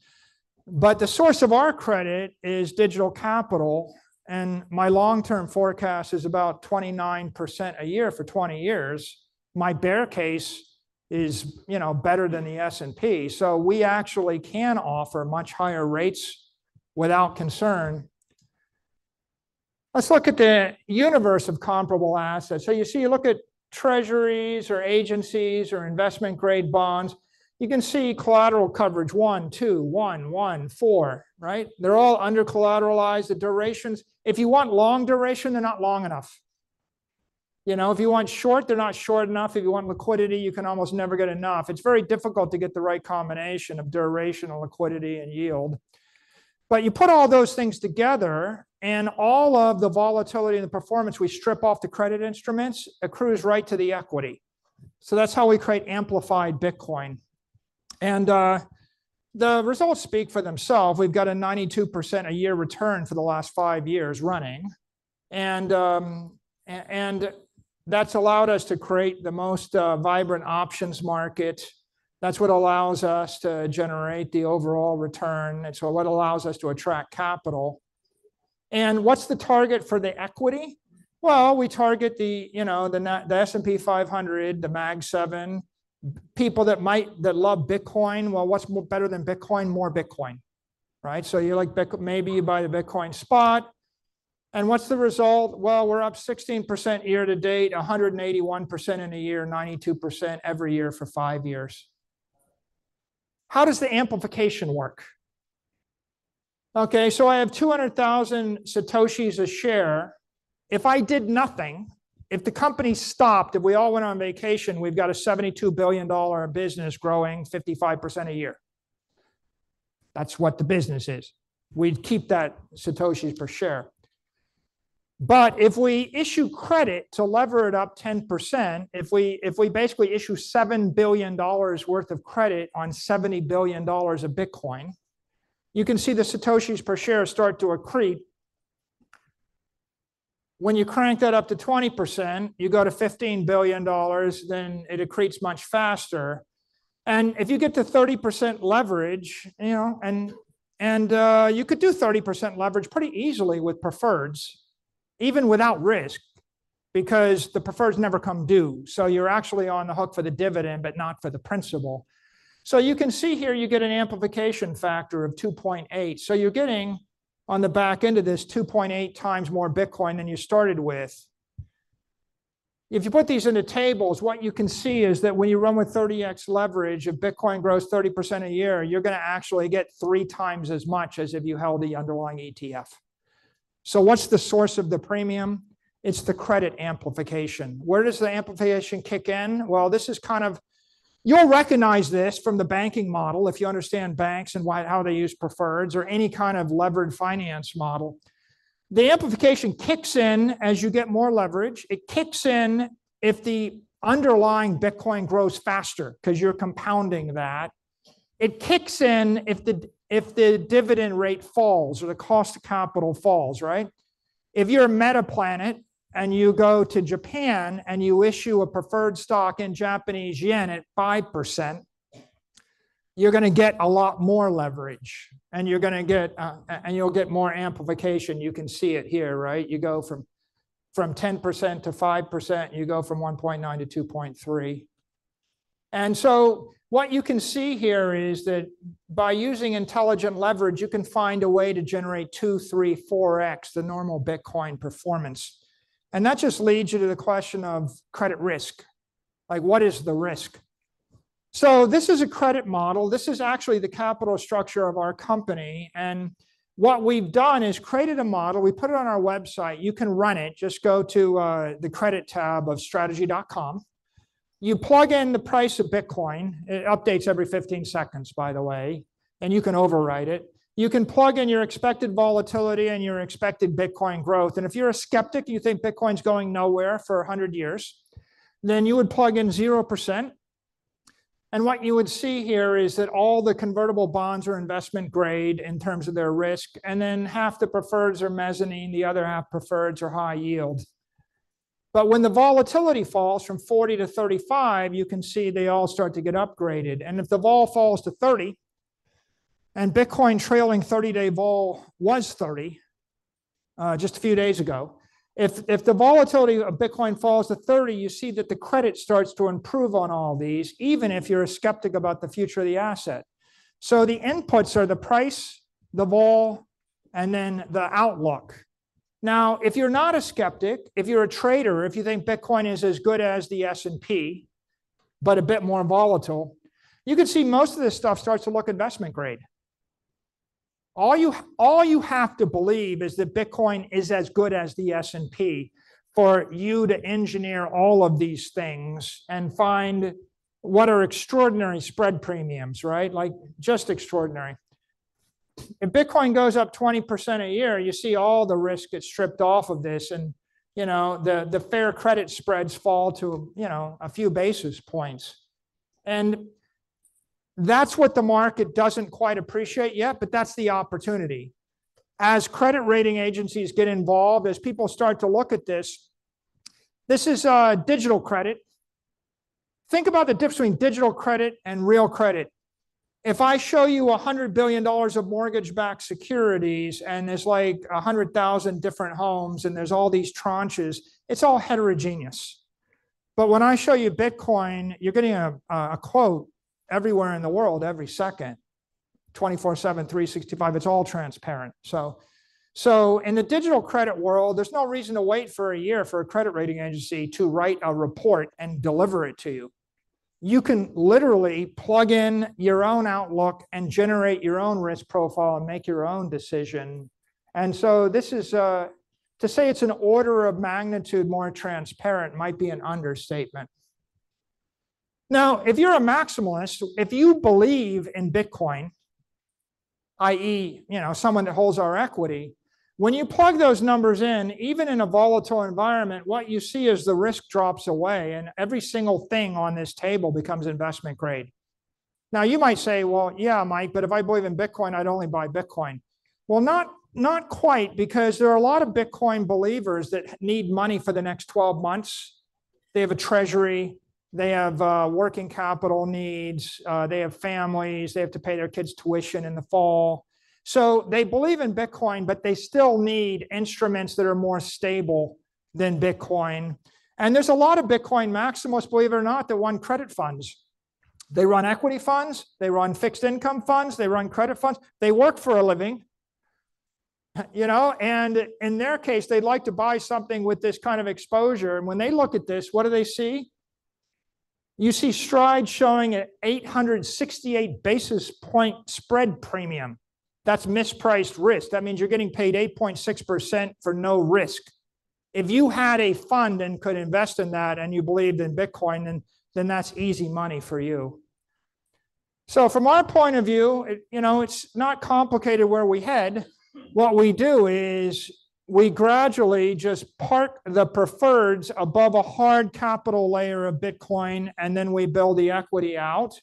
But the source of our credit is digital capital. And my long-term forecast is about 29% a year for 20 years. My bear case is better than the S&P. So we actually can offer much higher rates without concern. Let's look at the universe of comparable assets. So you see, you look at treasuries or agencies or investment-grade bonds, you can see collateral coverage one, two, one, one, four. They're all under-collateralized. The durations, if you want long duration, they're not long enough. If you want short, they're not short enough. If you want liquidity, you can almost never get enough. It's very difficult to get the right combination of duration and liquidity and yield. But you put all those things together, and all of the volatility and the performance we strip off the credit instruments accrues right to the equity. So that's how we create amplified Bitcoin. And the results speak for themselves. We've got a 92% a year return for the last five years running. That's allowed us to create the most vibrant options market. That's what allows us to generate the overall return. It's what allows us to attract capital. And what's the target for the equity? Well, we target the S&P 500, the Mag 7, people that love Bitcoin. Well, what's better than Bitcoin? More Bitcoin. So you're like maybe you buy the Bitcoin spot. And what's the result? Well, we're up 16% year to date, 181% in a year, 92% every year for five years. How does the amplification work? Okay. So I have 200,000 Satoshis a share. If I did nothing, if the company stopped, if we all went on vacation, we've got a $72 billion business growing 55% a year. That's what the business is. We'd keep that Satoshis per share. But if we issue credit to lever it up 10%, if we basically issue $7 billion worth of credit on $70 billion of Bitcoin, you can see the Satoshis per share start to accrete. When you crank that up to 20%, you go to $15 billion, then it accretes much faster. And if you get to 30% leverage, and you could do 30% leverage pretty easily with preferreds, even without risk because the preferreds never come due. So you're actually on the hook for the dividend, but not for the principal. So you can see here, you get an amplification factor of 2.8. So you're getting on the back end of this 2.8 times more Bitcoin than you started with. If you put these into tables, what you can see is that when you run with 30x leverage, if Bitcoin grows 30% a year, you're going to actually get three times as much as if you held the underlying ETF. So what's the source of the premium? It's the credit amplification. Where does the amplification kick in? Well, this is kind of, you'll recognize this from the banking model if you understand banks and how they use preferreds or any kind of levered finance model. The amplification kicks in as you get more leverage. It kicks in if the underlying Bitcoin grows faster because you're compounding that. It kicks in if the dividend rate falls or the cost of capital falls. If you're a Metaplanet and you go to Japan and you issue a preferred stock in Japanese yen at 5%, you're going to get a lot more leverage. And you'll get more amplification. You can see it here. You go from 10% to 5%. You go from 1.9 to 2.3. And so what you can see here is that by using intelligent leverage, you can find a way to generate 2, 3, 4x the normal Bitcoin performance. And that just leads you to the question of credit risk. What is the risk? So this is a credit model. This is actually the capital structure of our company. And what we've done is created a model. We put it on our website. You can run it. Just go to the credit tab of Strategy.com. You plug in the price of Bitcoin. It updates every 15 seconds, by the way, and you can override it. You can plug in your expected volatility and your expected Bitcoin growth. If you're a skeptic, you think Bitcoin's going nowhere for 100 years, then you would plug in 0%. What you would see here is that all the convertible bonds are investment grade in terms of their risk. Then half the preferreds are mezzanine. The other half preferreds are high yield. When the volatility falls from 40% to 35%, you can see they all start to get upgraded. If the vol falls to 30% and Bitcoin trailing 30-day vol was 30% just a few days ago, if the volatility of Bitcoin falls to 30%, you see that the credit starts to improve on all these, even if you're a skeptic about the future of the asset. The inputs are the price, the vol, and then the outlook. Now, if you're not a skeptic, if you're a trader, if you think Bitcoin is as good as the S&P, but a bit more volatile, you can see most of this stuff starts to look investment grade. All you have to believe is that Bitcoin is as good as the S&P for you to engineer all of these things and find what are extraordinary spread premiums, just extraordinary. If Bitcoin goes up 20% a year, you see all the risk gets stripped off of this. And the fair credit spreads fall to a few basis points. And that's what the market doesn't quite appreciate yet, but that's the opportunity. As credit rating agencies get involved, as people start to look at this, this is digital credit. Think about the difference between digital credit and real credit. If I show you $100 billion of mortgage-backed securities and there's like 100,000 different homes and there's all these tranches, it's all heterogeneous. But when I show you Bitcoin, you're getting a quote everywhere in the world every second, 24/7, 365. It's all transparent. So in the digital credit world, there's no reason to wait for a year for a credit rating agency to write a report and deliver it to you. You can literally plug in your own outlook and generate your own risk profile and make your own decision. And so this is to say it's an order of magnitude more transparent might be an understatement. Now, if you're a maximalist, if you believe in Bitcoin, i.e., someone that holds our equity, when you plug those numbers in, even in a volatile environment, what you see is the risk drops away and every single thing on this table becomes investment grade. Now, you might say, "Well, yeah, Mike, but if I believe in Bitcoin, I'd only buy Bitcoin." Well, not quite because there are a lot of Bitcoin believers that need money for the next 12 months. They have a treasury. They have working capital needs. They have families. They have to pay their kids' tuition in the fall. So they believe in Bitcoin, but they still need instruments that are more stable than Bitcoin. And there's a lot of Bitcoin maximalists, believe it or not, that run credit funds. They run equity funds. They run fixed income funds. They run credit funds. They work for a living, and in their case, they'd like to buy something with this kind of exposure. When they look at this, what do they see? You see Stride showing an 868 basis point spread premium. That's mispriced risk. That means you're getting paid 8.6% for no risk. If you had a fund and could invest in that and you believed in Bitcoin, then that's easy money for you. From our point of view, it's not complicated where we head. What we do is we gradually just park the preferreds above a hard capital layer of Bitcoin, and then we build the equity out.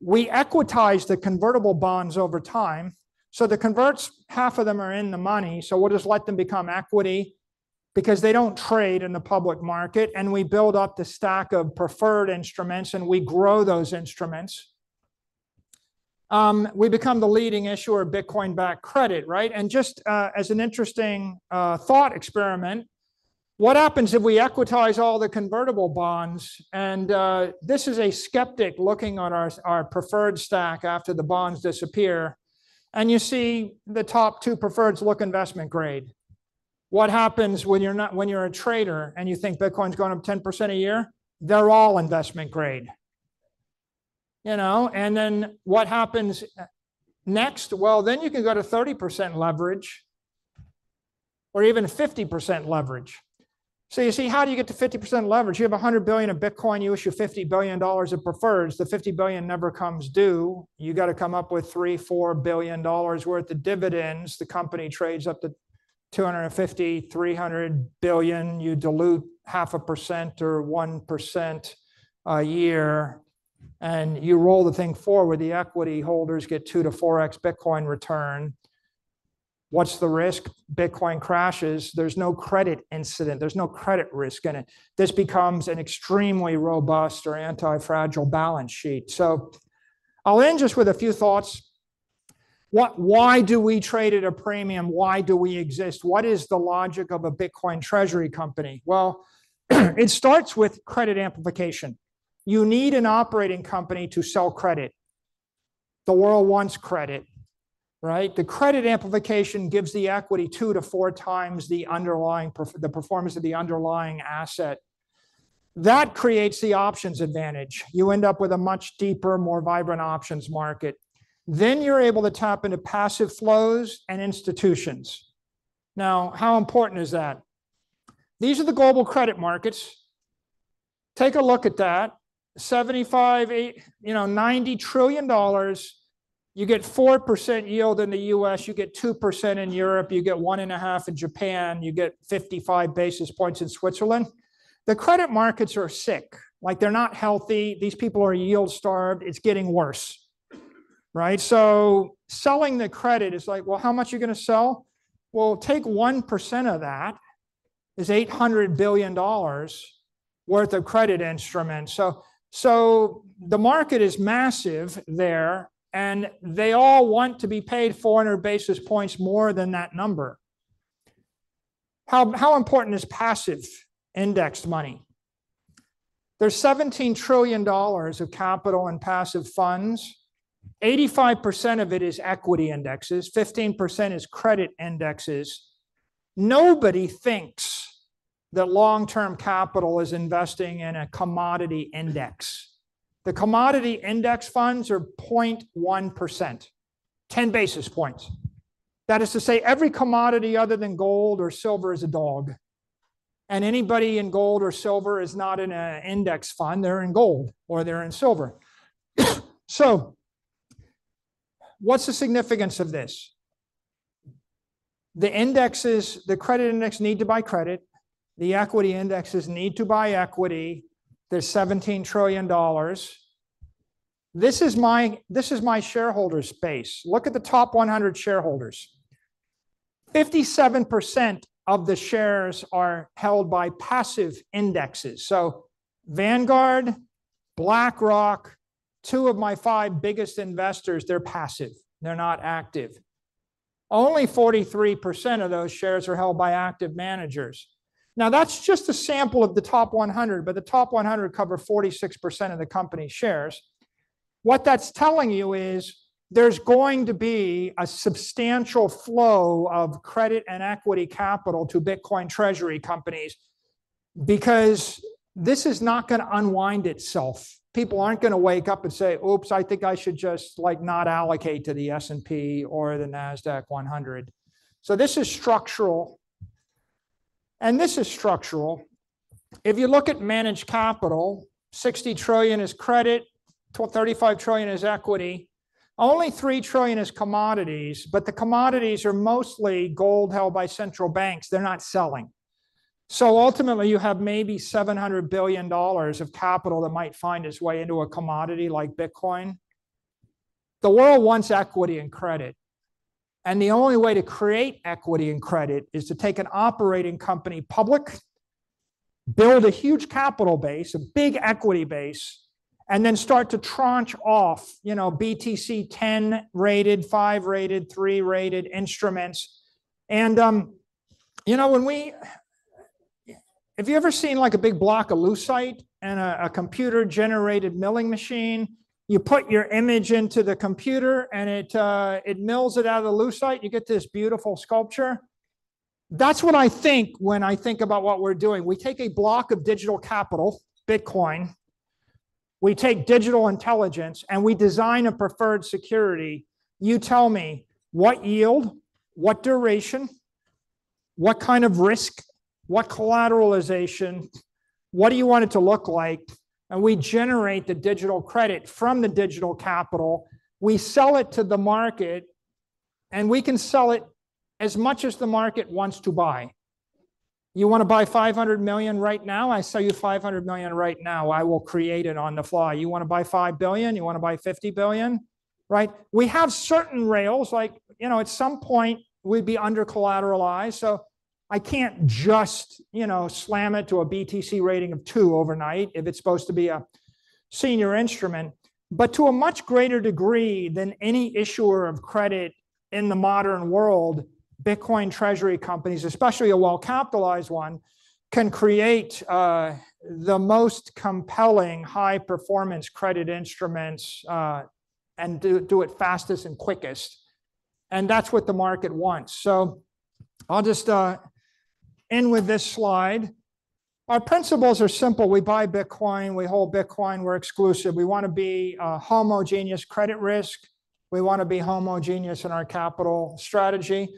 We equitize the convertible bonds over time. The converts, half of them are in the money. We'll just let them become equity because they don't trade in the public market. We build up the stack of preferred instruments, and we grow those instruments. We become the leading issuer of Bitcoin-backed credit. Just as an interesting thought experiment, what happens if we equitize all the convertible bonds? This is a skeptic looking on our preferred stack after the bonds disappear. You see the top two preferreds look investment grade. What happens when you're a trader and you think Bitcoin's going up 10% a year? They're all investment grade. Then what happens next? Then you can go to 30% or even 50% leverage. You see how do you get to 50% leverage? You have $100 billion of Bitcoin. You issue $50 billion of preferreds. The $50 billion never comes due. You got to come up with $3-$4 billion worth of dividends. The company trades up to $250-$300 billion. You dilute 0.5% or 1% a year, and you roll the thing forward. The equity holders get 2-4x Bitcoin return. What's the risk? Bitcoin crashes. There's no credit incident. There's no credit risk in it. This becomes an extremely robust or anti-fragile balance sheet, so I'll end just with a few thoughts. Why do we trade at a premium? Why do we exist? What is the logic of a Bitcoin treasury company? Well, it starts with credit amplification. You need an operating company to sell credit. The world wants credit. The credit amplification gives the equity 2-4 times the performance of the underlying asset. That creates the options advantage. You end up with a much deeper, more vibrant options market, then you're able to tap into passive flows and institutions. Now, how important is that? These are the global credit markets. Take a look at that. $75-$90 trillion. You get 4% yield in the U.S. You get 2% in Europe. You get 1.5% in Japan. You get 55 basis points in Switzerland. The credit markets are sick. They're not healthy. These people are yield-starved. It's getting worse. So selling the credit is like, "Well, how much are you going to sell?" Well, take 1% of that. It's $800 billion worth of credit instruments. So the market is massive there, and they all want to be paid 400 basis points more than that number. How important is passive indexed money? There's $17 trillion of capital in passive funds. 85% of it is equity indexes. 15% is credit indexes. Nobody thinks that long-term capital is investing in a commodity index. The commodity index funds are 0.1%, 10 basis points. That is to say, every commodity other than gold or silver is a dog, and anybody in gold or silver is not in an index fund. They're in gold or they're in silver, so what's the significance of this? The credit index need to buy credit. The equity indexes need to buy equity. There's $17 trillion. This is my shareholder space. Look at the top 100 shareholders. 57% of the shares are held by passive indexes, so Vanguard, BlackRock, two of my five biggest investors, they're passive. They're not active. Only 43% of those shares are held by active managers. Now, that's just a sample of the top 100, but the top 100 cover 46% of the company's shares. What that's telling you is there's going to be a substantial flow of credit and equity capital to Bitcoin treasury companies because this is not going to unwind itself. People aren't going to wake up and say, "Oops, I think I should just not allocate to the S&P or the NASDAQ 100." So this is structural. And this is structural. If you look at managed capital, 60 trillion is credit, 35 trillion is equity. Only 3 trillion is commodities, but the commodities are mostly gold held by central banks. They're not selling. So ultimately, you have maybe $700 billion of capital that might find its way into a commodity like Bitcoin. The world wants equity and credit. And the only way to create equity and credit is to take an operating company public, build a huge capital base, a big equity base, and then start to tranche off BTC 10-rated, 5-rated, 3-rated instruments. And have you ever seen a big block of Lucite and a computer-generated milling machine? You put your image into the computer, and it mills it out of the Lucite. You get this beautiful sculpture. That's what I think when I think about what we're doing. We take a block of digital capital, Bitcoin. We take digital intelligence, and we design a preferred security. You tell me what yield, what duration, what kind of risk, what collateralization, what do you want it to look like. And we generate the digital credit from the digital capital. We sell it to the market, and we can sell it as much as the market wants to buy. You want to buy $500 million right now? I sell you $500 million right now. I will create it on the fly. You want to buy $5 billion? You want to buy $50 billion? We have certain rails. At some point, we'd be under-collateralized. I can't just slam it to a BTC rating of 2 overnight if it's supposed to be a senior instrument. To a much greater degree than any issuer of credit in the modern world, Bitcoin treasury companies, especially a well-capitalized one, can create the most compelling high-performance credit instruments and do it fastest and quickest. That's what the market wants. I'll just end with this slide. Our principles are simple. We buy Bitcoin. We hold Bitcoin. We're exclusive. We want to be homogeneous credit risk. We want to be homogeneous in our capital strategy.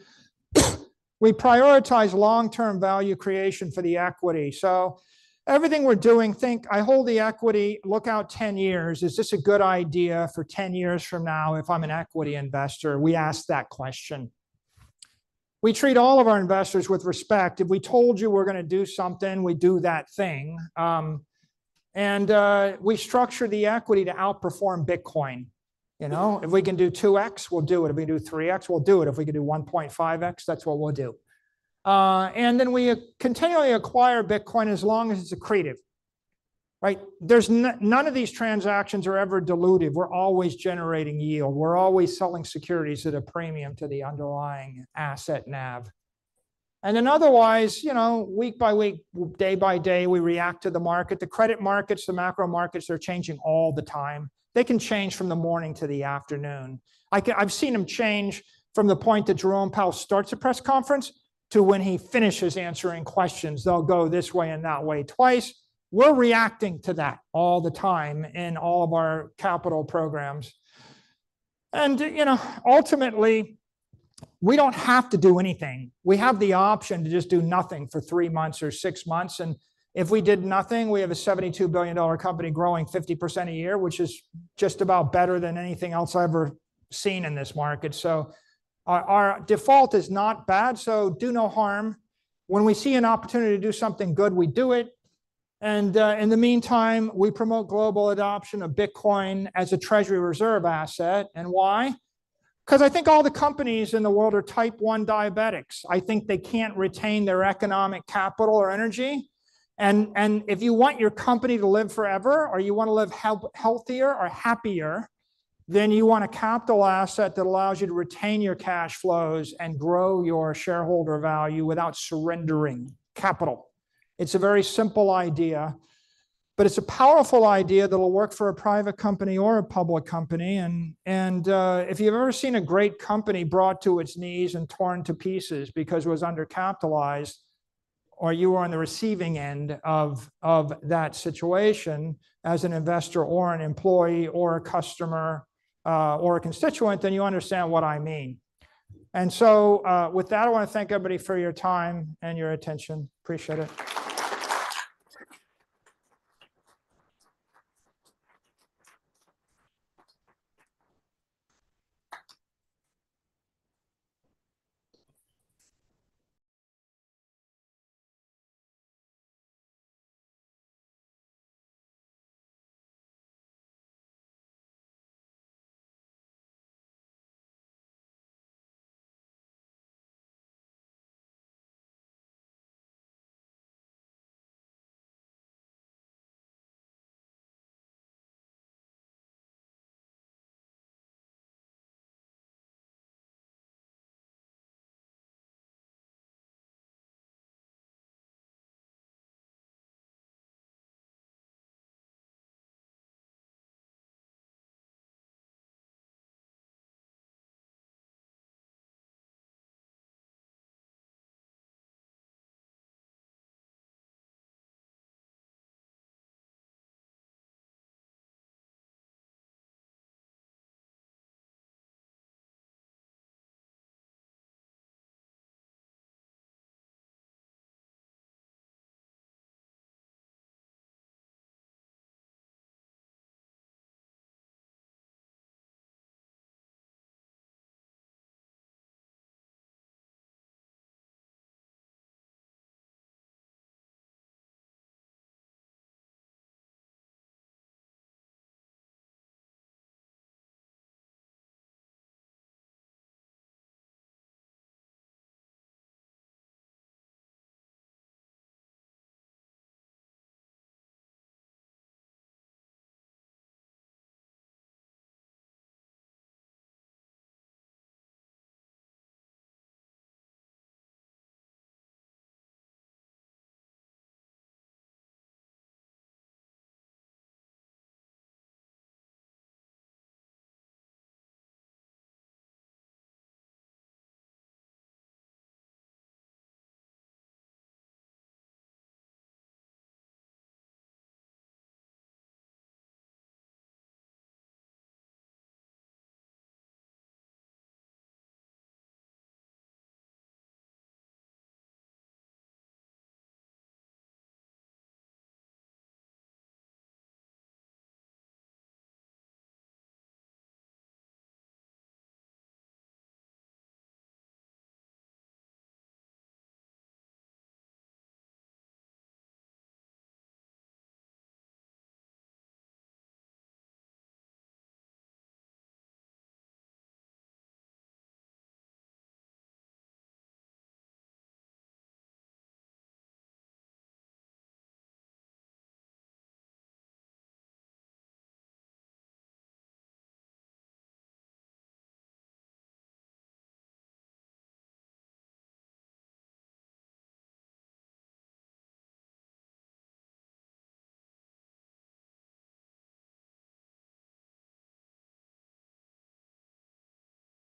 We prioritize long-term value creation for the equity. Everything we're doing, think, "I hold the equity, look out 10 years. Is this a good idea for 10 years from now if I'm an equity investor?" We ask that question. We treat all of our investors with respect. If we told you we're going to do something, we do that thing. And we structure the equity to outperform Bitcoin. If we can do 2x, we'll do it. If we can do 3x, we'll do it. If we can do 1.5x, that's what we'll do. And then we continually acquire Bitcoin as long as it's accretive. None of these transactions are ever diluted. We're always generating yield. We're always selling securities at a premium to the underlying asset nav. And then otherwise, week by week, day by day, we react to the market. The credit markets, the macro markets, they're changing all the time. They can change from the morning to the afternoon. I've seen them change from the point that Jerome Powell starts a press conference to when he finishes answering questions. They'll go this way and that way twice. We're reacting to that all the time in all of our capital programs. And ultimately, we don't have to do anything. We have the option to just do nothing for three months or six months. And if we did nothing, we have a $72 billion company growing 50% a year, which is just about better than anything else I've ever seen in this market. So our default is not bad. So do no harm. When we see an opportunity to do something good, we do it. And in the meantime, we promote global adoption of Bitcoin as a treasury reserve asset. And why? Because I think all the companies in the world are type 1 diabetics. I think they can't retain their economic capital or energy. And if you want your company to live forever, or you want to live healthier or happier, then you want a capital asset that allows you to retain your cash flows and grow your shareholder value without surrendering capital. It's a very simple idea, but it's a powerful idea that will work for a private company or a public company. And if you've ever seen a great company brought to its knees and torn to pieces because it was under-capitalized, or you were on the receiving end of that situation as an investor or an employee or a customer or a constituent, then you understand what I mean. And so with that, I want to thank everybody for your time and your attention. Appreciate it.